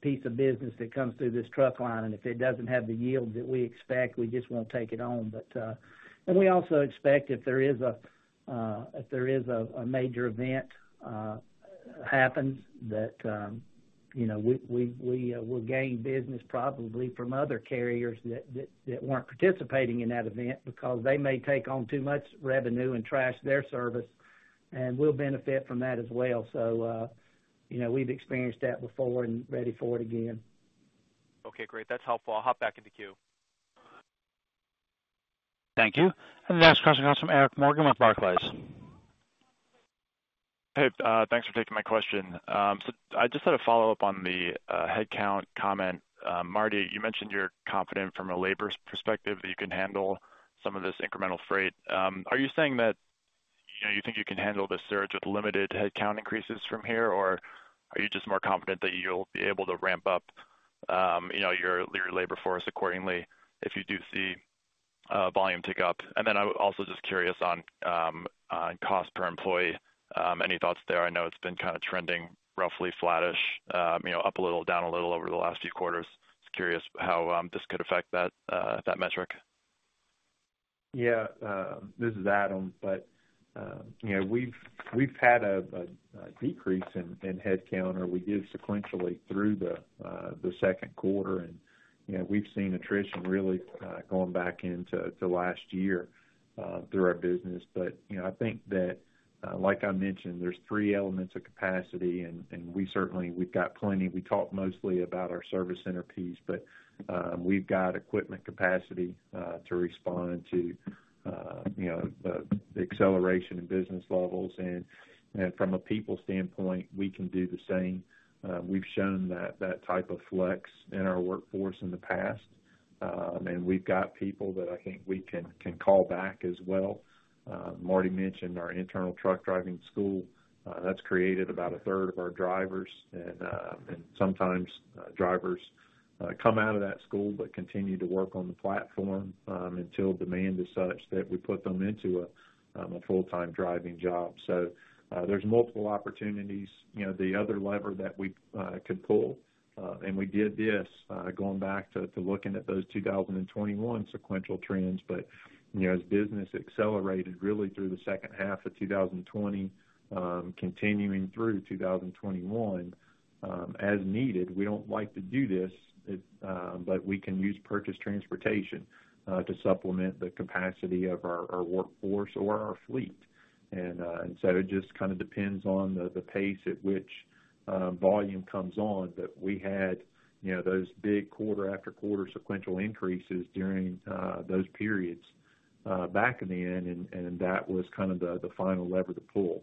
piece of business that comes through this truck line, and if it doesn't have the yield that we expect, we just won't take it on. We also expect if there is a major event happens, that, you know, we will gain business probably from other carriers that weren't participating in that event because they may take on too much revenue and trash their service, and we'll benefit from that as well. You know, we've experienced that before and ready for it again. Okay, great. That's helpful. I'll hop back in the queue. Thank you. The next question comes from Eric Morgan with Barclays. Hey, thanks for taking my question. I just had a follow-up on the headcount comment. Marty, you mentioned you're confident from a labor perspective that you can handle some of this incremental freight. Are you saying that, you know, you think you can handle this surge with limited headcount increases from here, or are you just more confident that you'll be able to ramp up, you know, your labor force accordingly if you do see volume tick up? I'm also just curious on cost per employee. Any thoughts there? I know it's been kind of trending roughly flattish, you know, up a little, down a little over the last few quarters. Just curious how this could affect that metric. This is Adam. You know, we've had a decrease in headcount, or we did sequentially through the second quarter. You know, we've seen attrition really going back into the last year through our business. You know, I think that, like I mentioned, there's three elements of capacity, and we certainly, we've got plenty. We talk mostly about our service center piece, but we've got equipment capacity to respond to, you know, the acceleration in business levels. From a people standpoint, we can do the same. We've shown that type of flex in our workforce in the past, and we've got people that I think we can call back as well. Marty mentioned our internal truck driving school, that's created about a third of our drivers, and sometimes drivers come out of that school, but continue to work on the platform, until demand is such that we put them into a full-time driving job. There's multiple opportunities. You know, the other lever that we could pull, and we did this going back to looking at those 2021 sequential trends. You know, as business accelerated really through the second half of 2020, continuing through 2021, as needed, we don't like to do this, but we can use purchased transportation to supplement the capacity of our workforce or our fleet. It just kind of depends on the pace at which volume comes on. We had, you know, those big quarter after quarter sequential increases during those periods back in the end, and that was kind of the final lever to pull.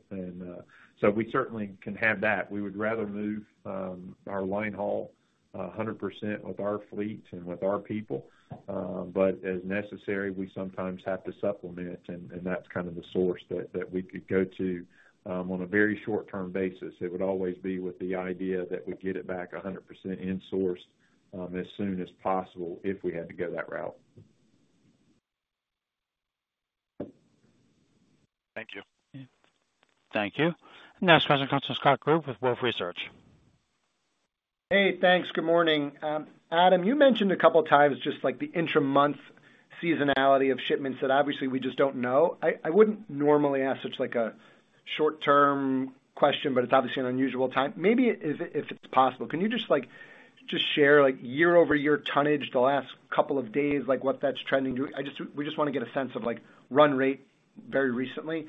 We certainly can have that. We would rather move our line haul 100% with our fleet and with our people, but as necessary, we sometimes have to supplement it, and that's kind of the source that we could go to on a very short-term basis. It would always be with the idea that we get it back 100% in-sourced as soon as possible if we had to go that route. Thank you. Thank you. Next question comes from Scott Group with Wolfe Research. Hey, thanks. Good morning. Adam, you mentioned a couple of times just like the intra-month seasonality of shipments that obviously we just don't know. I wouldn't normally ask such like a short-term question, but it's obviously an unusual time. Maybe if it's possible, can you just share year-over-year tonnage the last couple of days, what that's trending to? We just want to get a sense of run rate very recently.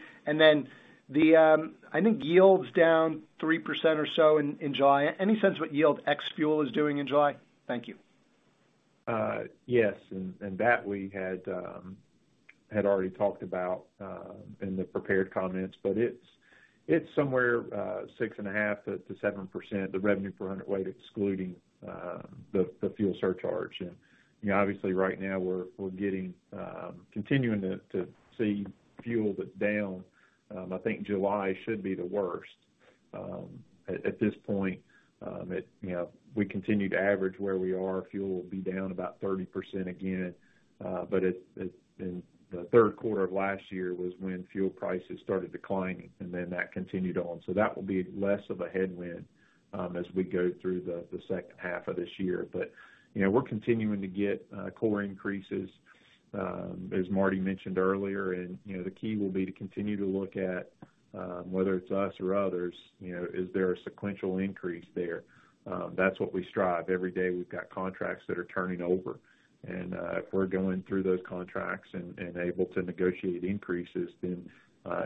The, I think yield's down 3% or so in July. Any sense what yield ex fuel is doing in July? Thank you. that we had already talked about in the prepared comments, but it's somewhere 6.5%-7%, the revenue per hundredweight, excluding the fuel surcharge. you know, obviously right now we're getting continuing to see fuel that's down. I think July should be the worst. at this point, you know, we continue to average where we are, fuel will be down about 30% again. in the third quarter of last year was when fuel prices started declining, and that continued on. that will be less of a headwind as we go through the second half of this year. You know, we're continuing to get core increases, as Marty mentioned earlier, and, you know, the key will be to continue to look at, whether it's us or others, you know, is there a sequential increase there? That's what we strive. Every day, we've got contracts that are turning over, and if we're going through those contracts and able to negotiate increases, then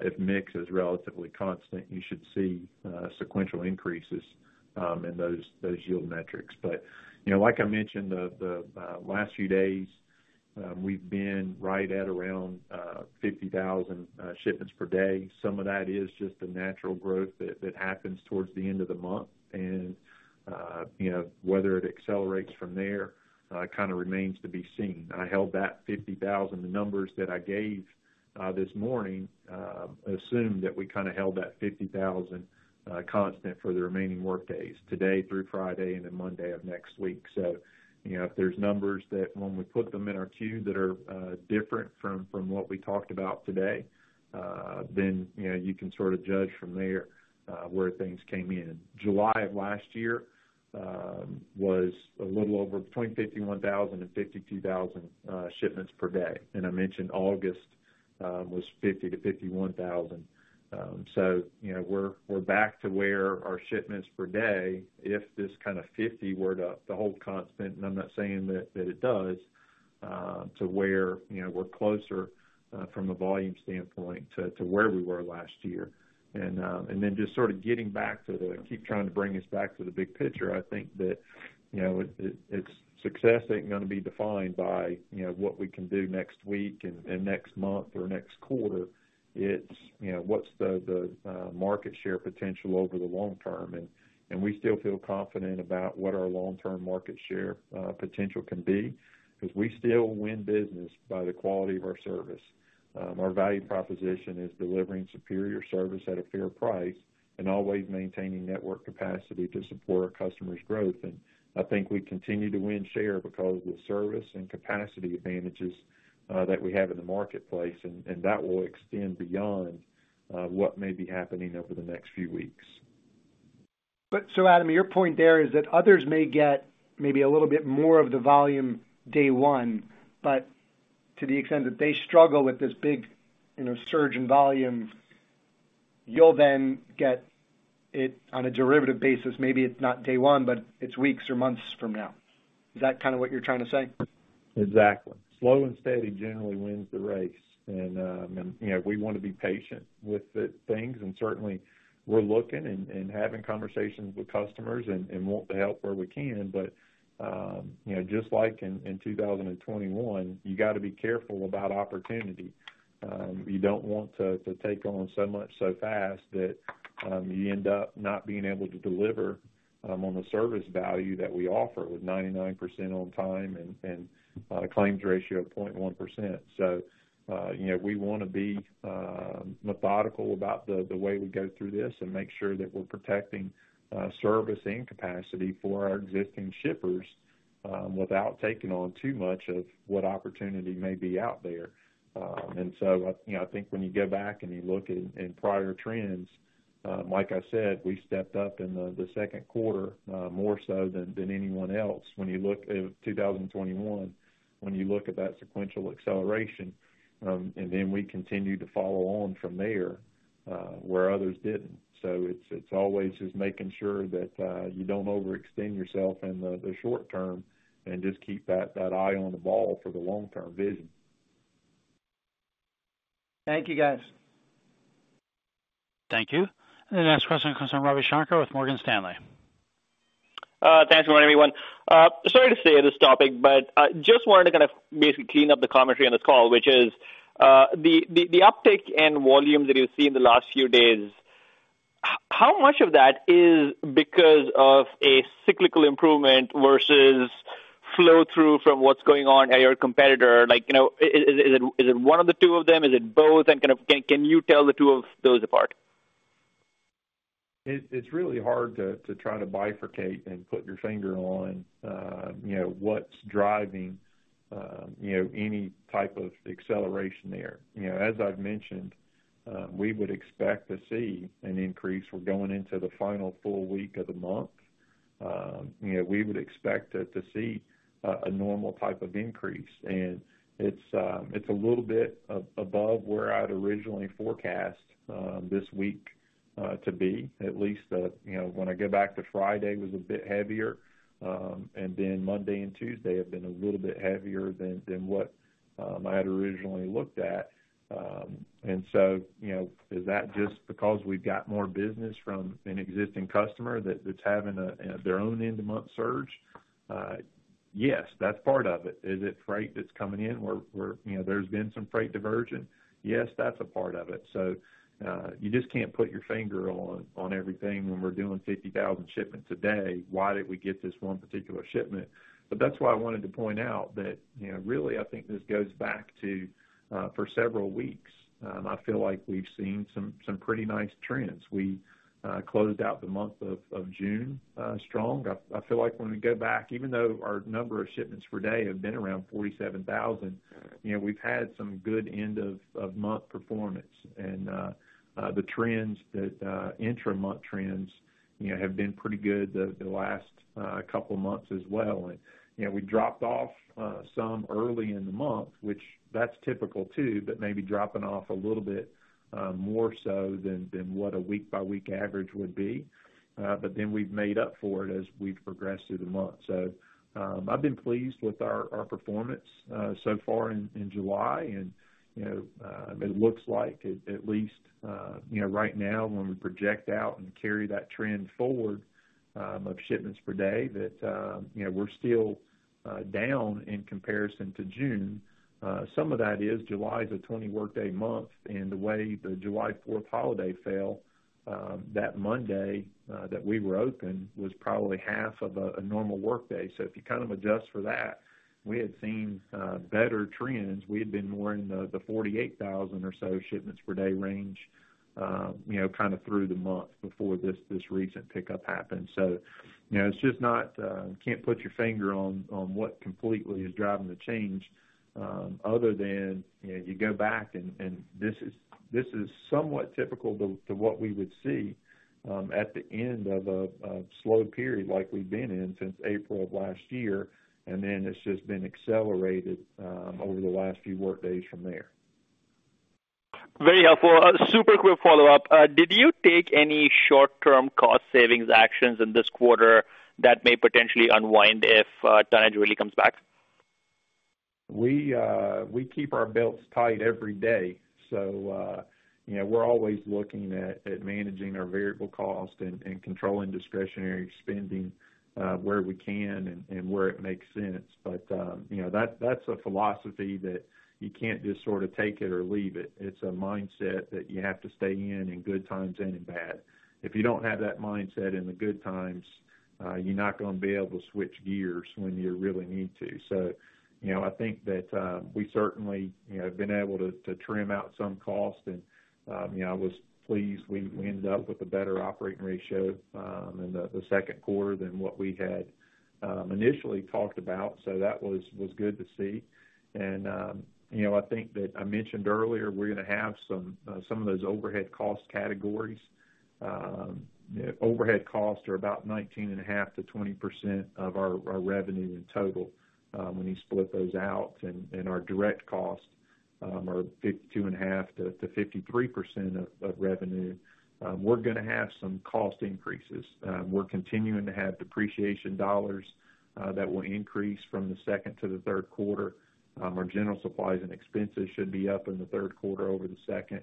if mix is relatively constant, you should see sequential increases in those yield metrics. You know, like I mentioned, the last few days, we've been right at around 50,000 shipments per day. Some of that is just the natural growth that happens towards the end of the month. You know, whether it accelerates from there, kind of remains to be seen. I held that 50,000. The numbers that I gave this morning assumed that we kinda held that 50,000 constant for the remaining workdays, today through Friday and then Monday of next week. You know, if there's numbers that when we put them in our queue that are different from what we talked about today, then, you know, you can sort of judge from there where things came in. July of last year was a little over between 51,000 and 52,000 shipments per day. I mentioned August was 50,000-51,000. You know, we're back to where our shipments per day, if this kind of 50 were to hold constant, and I'm not saying that it does, to where, you know, we're closer from a volume standpoint to where we were last year. Just sort of Keep trying to bring us back to the big picture, I think that, you know, it, its success ain't gonna be defined by, you know, what we can do next week and next month or next quarter. It's, you know, what's the market share potential over the long term? We still feel confident about what our long-term market share potential can be, 'cause we still win business by the quality of our service. Our value proposition is delivering superior service at a fair price and always maintaining network capacity to support our customers' growth. I think we continue to win share because the service and capacity advantages that we have in the marketplace, and that will extend beyond what may be happening over the next few weeks. Adam, your point there is that others may get maybe a little bit more of the volume day one, but to the extent that they struggle with this big, you know, surge in volume, you'll then get it on a derivative basis. Maybe it's not day one, but it's weeks or months from now. Is that kind of what you're trying to say? Exactly. Slow and steady generally wins the race. You know, we want to be patient with the things, and certainly we're looking and having conversations with customers and want to help where we can. You know, just like in 2021, you got to be careful about opportunity. You don't want to take on so much so fast that, you end up not being able to deliver on the service value that we offer with 99% on time and, a claims ratio of 0.1%. You know, we wanna be methodical about the way we go through this and make sure that we're protecting service and capacity for our existing shippers, without taking on too much of what opportunity may be out there. You know, I think when you go back and you look in prior trends, like I said, we stepped up in the second quarter, more so than anyone else. When you look at 2021, when you look at that sequential acceleration, and then we continued to follow on from there, where others didn't. It's, it's always just making sure that, you don't overextend yourself in the short term and just keep that eye on the ball for the long-term vision. Thank you, guys. Thank you. The next question comes from Ravi Shanker with Morgan Stanley. Thanks, good morning, everyone. Sorry to stay on this topic, just wanted to kind of basically clean up the commentary on this call, which is, the uptick in volume that you've seen in the last few days, how much of that is because of a cyclical improvement versus flow-through from what's going on at your competitor? Like, you know, is it one of the two of them? Is it both? Kind of can you tell the two of those apart? It's really hard to try to bifurcate and put your finger on, you know, what's driving, you know, any type of acceleration there. You know, as I've mentioned, we would expect to see an increase. We're going into the final full week of the month. You know, we would expect to see a normal type of increase, and it's a little bit above where I'd originally forecast this week to be, at least, you know, when I go back to Friday, was a bit heavier. Monday and Tuesday have been a little bit heavier than what I had originally looked at. You know, is that just because we've got more business from an existing customer that's having a their own end-of-month surge? Yes, that's part of it. Is it freight that's coming in, where, you know, there's been some freight diversion? Yes, that's a part of it. You just can't put your finger on everything when we're doing 50,000 shipments a day. Why did we get this one particular shipment? That's why I wanted to point out that, you know, really, I think this goes back to for several weeks. I feel like we've seen some pretty nice trends. We closed out the month of June strong. I feel like when we go back, even though our number of shipments per day have been around 47,000, you know, we've had some good end of month performance. The trends that, intra-month trends, you know, have been pretty good the last couple months as well. You know, we dropped off some early in the month, which that's typical, too, but maybe dropping off a little bit more so than what a week-by-week average would be. We've made up for it as we've progressed through the month. I've been pleased with our performance so far in July, and, you know, it looks like at least, you know, right now, when we project out and carry that trend forward, of shipments per day, that, you know, we're still down in comparison to June. Some of that is July is a 20-workday month, and the way the July Fourth holiday fell, that Monday, that we were open was probably half of a normal workday. If you kind of adjust for that, we had seen better trends. We had been more in the 48,000 or so shipments per day range, you know, kind of through the month before this recent pickup happened. You know, it's just not. you can't put your finger on what completely is driving the change, other than, you know, you go back and this is somewhat typical to what we would see, at the end of a slow period, like we've been in since April of last year, and then it's just been accelerated, over the last few workdays from there. Very helpful. Super quick follow-up. Did you take any short-term cost savings actions in this quarter that may potentially unwind if tonnage really comes back? We keep our belts tight every day, you know, we're always looking at managing our variable cost and controlling discretionary spending where we can and where it makes sense. You know, that's a philosophy that you can't just sort of take it or leave it. It's a mindset that you have to stay in good times and in bad. If you don't have that mindset in the good times, you're not gonna be able to switch gears when you really need to. You know, I think that we certainly, you know, have been able to trim out some cost and, you know, I was pleased we ended up with a better operating ratio in the second quarter than what we had initially talked about, so that was good to see. You know, I think that I mentioned earlier, we're gonna have some of those overhead cost categories. Overhead costs are about 19.5%-20% of our revenue in total, when you split those out, and our direct costs are 52.5%-53% of revenue. We're gonna have some cost increases. We're continuing to have depreciation dollars that will increase from the second to the third quarter. Our general supplies and expenses should be up in the third quarter over the second.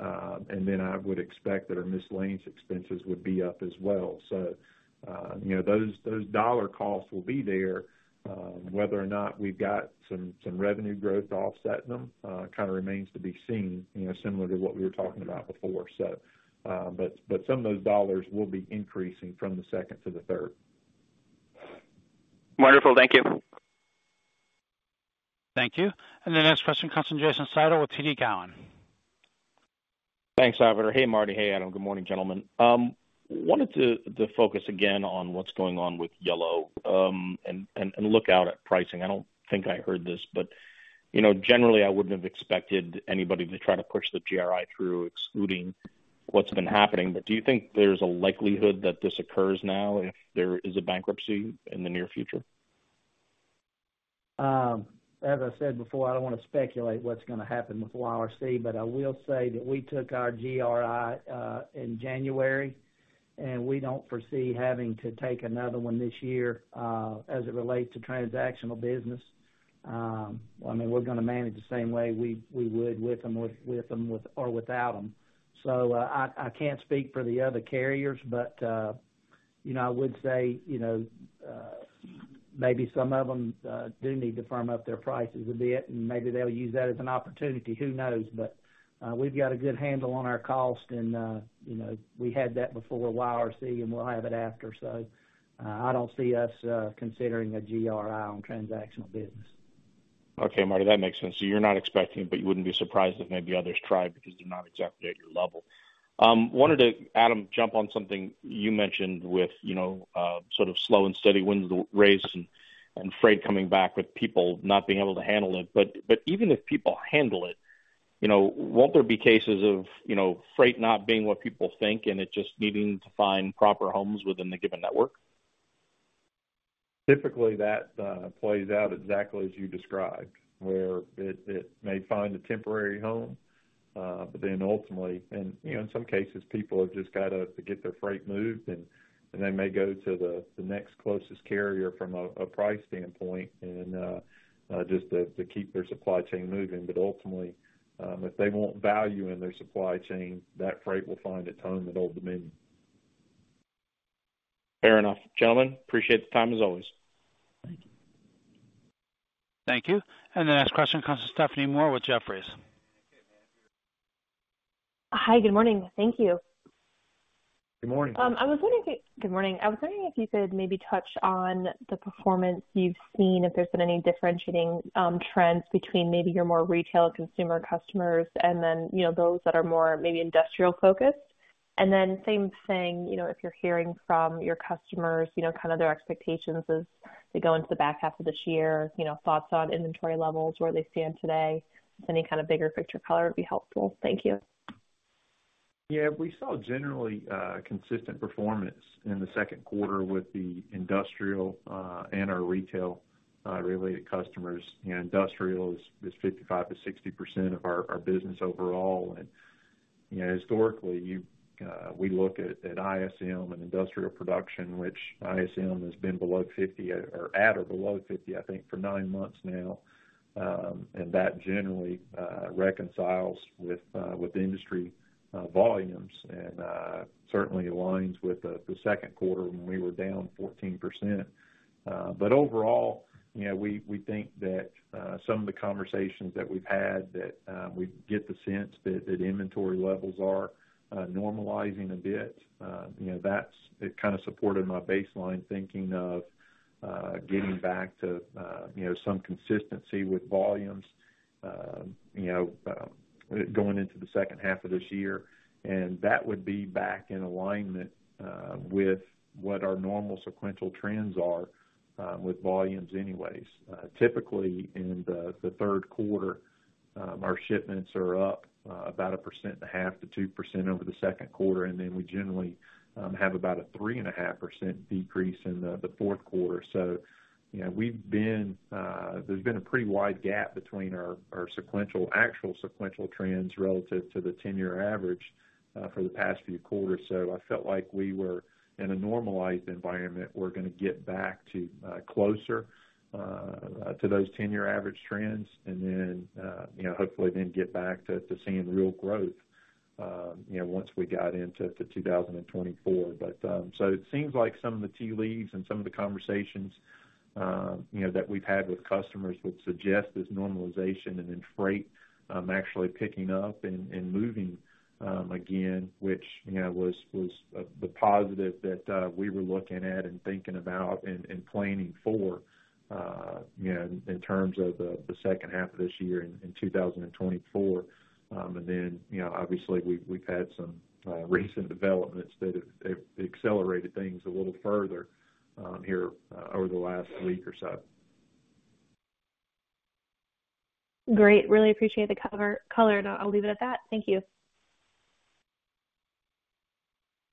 I would expect that our miscellaneous expenses would be up as well. You know, those dollar costs will be there. Whether or not we've got some revenue growth to offset them, kind of remains to be seen, you know, similar to what we were talking about before. Some of those dollars will be increasing from the second to the third. Wonderful. Thank you. Thank you. The next question comes from Jason Seidl with TD Cowen. Thanks, operator. Hey, Marty. Hey, Adam. Good morning, gentlemen. wanted to focus again on what's going on with Yellow, and look out at pricing. I don't think I heard this, but, you know, generally, I wouldn't have expected anybody to try to push the GRI through, excluding what's been happening. Do you think there's a likelihood that this occurs now if there is a bankruptcy in the near future? As I said before, I don't want to speculate what's going to happen with YRC, but I will say that we took our GRI in January, and we don't foresee having to take another one this year as it relates to transactional business. I mean, we're going to manage the same way we would with them, with or without them. I can't speak for the other carriers, but, you know, I would say, you know, maybe some of them do need to firm up their prices a bit, and maybe they'll use that as an opportunity. Who knows? We've got a good handle on our cost, and, you know, we had that before YRC, and we'll have it after. I don't see us considering a GRI on transactional business. Okay, Marty, that makes sense. You're not expecting it, but you wouldn't be surprised if maybe others tried because they're not exactly at your level. Wanted to, Adam, jump on something you mentioned with, you know, sort of slow and steady wins the race and freight coming back, with people not being able to handle it. But even if people handle it, you know, won't there be cases of, you know, freight not being what people think and it just needing to find proper homes within the given network? Typically, that plays out exactly as you described, where it may find a temporary home, but then ultimately. You know, in some cases, people have just got to get their freight moved, and they may go to the next closest carrier from a price standpoint and just to keep their supply chain moving. Ultimately, if they want value in their supply chain, that freight will find its home at Old Dominion. Fair enough. Gentlemen, appreciate the time, as always. Thank you. Thank you. The next question comes from Stephanie Moore with Jefferies. Hi, good morning. Thank you. Good morning. Good morning. I was wondering if you could maybe touch on the performance you've seen, if there's been any differentiating trends between maybe your more retail consumer customers and then, you know, those that are more maybe industrial focused. Then same thing, you know, if you're hearing from your customers, you know, kind of their expectations as they go into the back half of this year, you know, thoughts on inventory levels, where they stand today. Just any kind of bigger picture color would be helpful. Thank you. Yeah, we saw generally, consistent performance in the second quarter with the industrial and our retail related customers. You know, industrial is 55%-60% of our business overall. You know, historically, we look at ISM and industrial production, which ISM has been below 50 or at or below 50, I think, for 9 months now. That generally reconciles with industry volumes and certainly aligns with the second quarter when we were down 14%. Overall, you know, we think that some of the conversations that we've had, that we get the sense that inventory levels are normalizing a bit. you know, it kind of supported my baseline thinking of getting back to, you know, some consistency with volumes, you know, going into the second half of this year, and that would be back in alignment with what our normal sequential trends are with volumes anyways. Typically, in the third quarter, our shipments are up about 1 and a half% to 2% over the second quarter, and then we generally have about a 3 and a half% decrease in the fourth quarter. you know, we've been. There's been a pretty wide gap between our sequential, actual sequential trends relative to the 10-year average for the past few quarters. I felt like we were in a normalized environment, we're gonna get back to closer to those 10-year average trends, and then, you know, hopefully then get back to seeing real growth, you know, once we got into 2024. It seems like some of the tea leaves and some of the conversations, you know, that we've had with customers would suggest this normalization and then freight, actually picking up and moving again, which, you know, was the positive that we were looking at and thinking about and planning for, you know, in terms of the second half of this year in 2024. You know, obviously, we've had some recent developments that have accelerated things a little further here over the last week or so. Great. Really appreciate the cover, color, and I'll leave it at that. Thank you.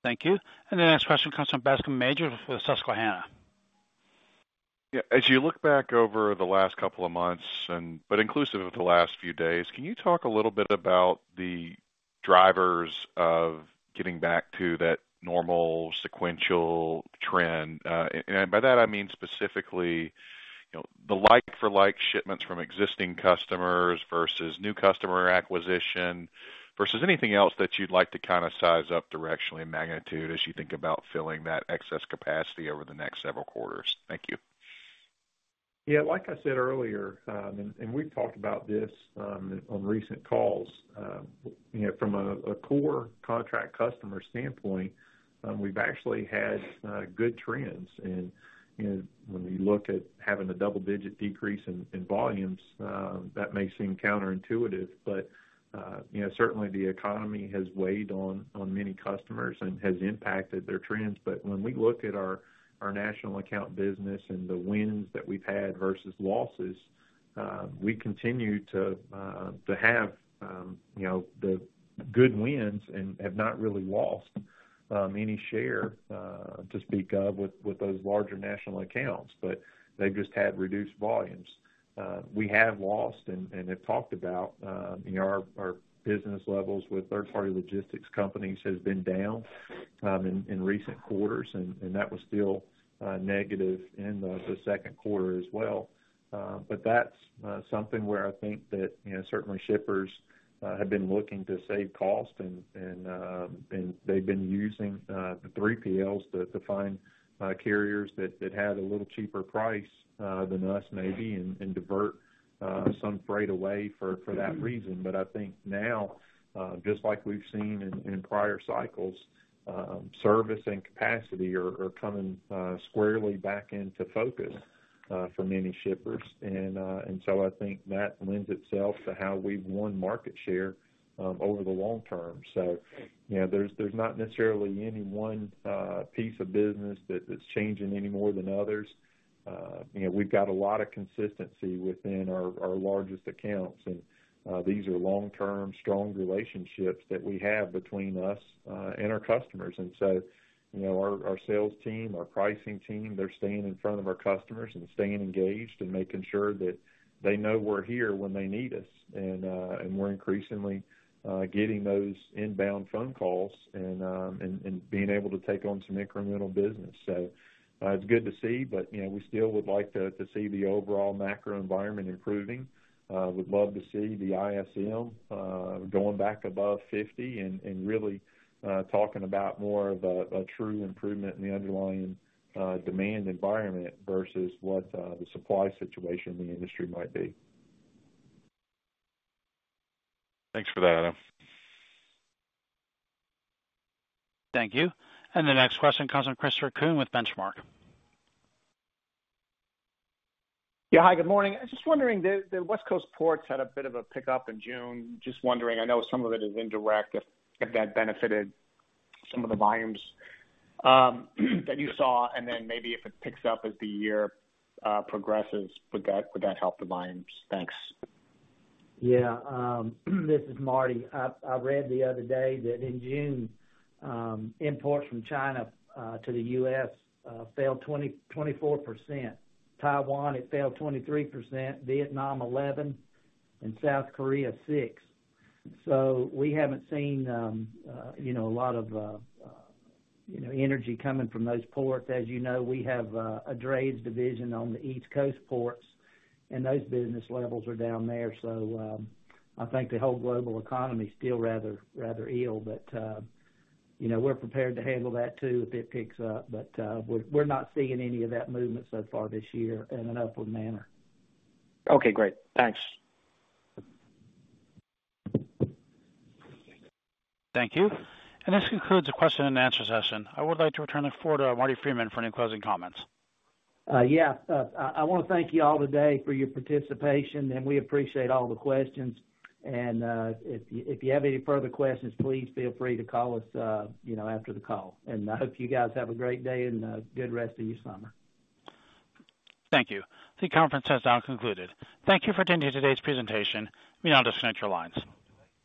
Thank you. The next question comes from Bascome Majors with Susquehanna. Yeah. As you look back over the last couple of months and, but inclusive of the last few days, can you talk a little bit about the drivers of getting back to that normal sequential trend? And by that, I mean specifically, you know, the like for like shipments from existing customers versus new customer acquisition, versus anything else that you'd like to kind of size up directionally in magnitude as you think about filling that excess capacity over the next several quarters. Thank you. Yeah, like I said earlier, we've talked about this on recent calls. You know, from a core contract customer standpoint, we've actually had good trends. You know, when you look at having a double-digit decrease in volumes, that may seem counterintuitive, but you know, certainly the economy has weighed on many customers and has impacted their trends. When we look at our national account business and the wins that we've had versus losses, we continue to have, you know, the good wins and have not really lost any share to speak of with those larger national accounts, but they've just had reduced volumes. We have lost and have talked about, you know, our business levels with third-party logistics companies has been down in recent quarters, and that was still negative in the second quarter as well. But that's something where I think that, you know, certainly shippers have been looking to save cost, and they've been using the 3PLs to find carriers that had a little cheaper price than us maybe, and divert some freight away for that reason. I think now, just like we've seen in prior cycles, service and capacity are coming squarely back into focus for many shippers. I think that lends itself to how we've won market share over the long term. You know, there's not necessarily any one piece of business that's changing any more than others. You know, we've got a lot of consistency within our largest accounts, and these are long-term, strong relationships that we have between us and our customers. You know, our sales team, our pricing team, they're staying in front of our customers and staying engaged and making sure that they know we're here when they need us. We're increasingly getting those inbound phone calls and being able to take on some incremental business. It's good to see, but, you know, we still would like to see the overall macro environment improving. Would love to see the ISM going back above 50 and really talking about more of a true improvement in the underlying demand environment versus what the supply situation in the industry might be. Thanks for that. Thank you. The next question comes from Christopher Kuhn with Benchmark. Yeah. Hi, good morning. I was just wondering, the West Coast ports had a bit of a pickup in June. Just wondering, I know some of it is indirect, if that benefited some of the volumes that you saw, and then maybe if it picks up as the year progresses, would that help the volumes? Thanks. Yeah, this is Marty. I read the other day that in June, imports from China, to the U.S., fell 24%. Taiwan, it fell 23%, Vietnam, 11, and South Korea, six. We haven't seen, you know, a lot of, you know, energy coming from those ports. As you know, we have a drayage division on the East Coast ports, and those business levels are down there. I think the whole global economy is still rather ill, but, you know, we're prepared to handle that too, if it picks up. We're not seeing any of that movement so far this year in an upward manner. Okay, great. Thanks. Thank you. This concludes the question-and-answer session. I would like to return the floor to Marty Freeman for any closing comments. Yeah. I want to thank you all today for your participation, and we appreciate all the questions. If you have any further questions, please feel free to call us after the call. I hope you guys have a great day and a good rest of your summer. Thank you. The conference has now concluded. Thank you for attending today's presentation. You may now disconnect your lines.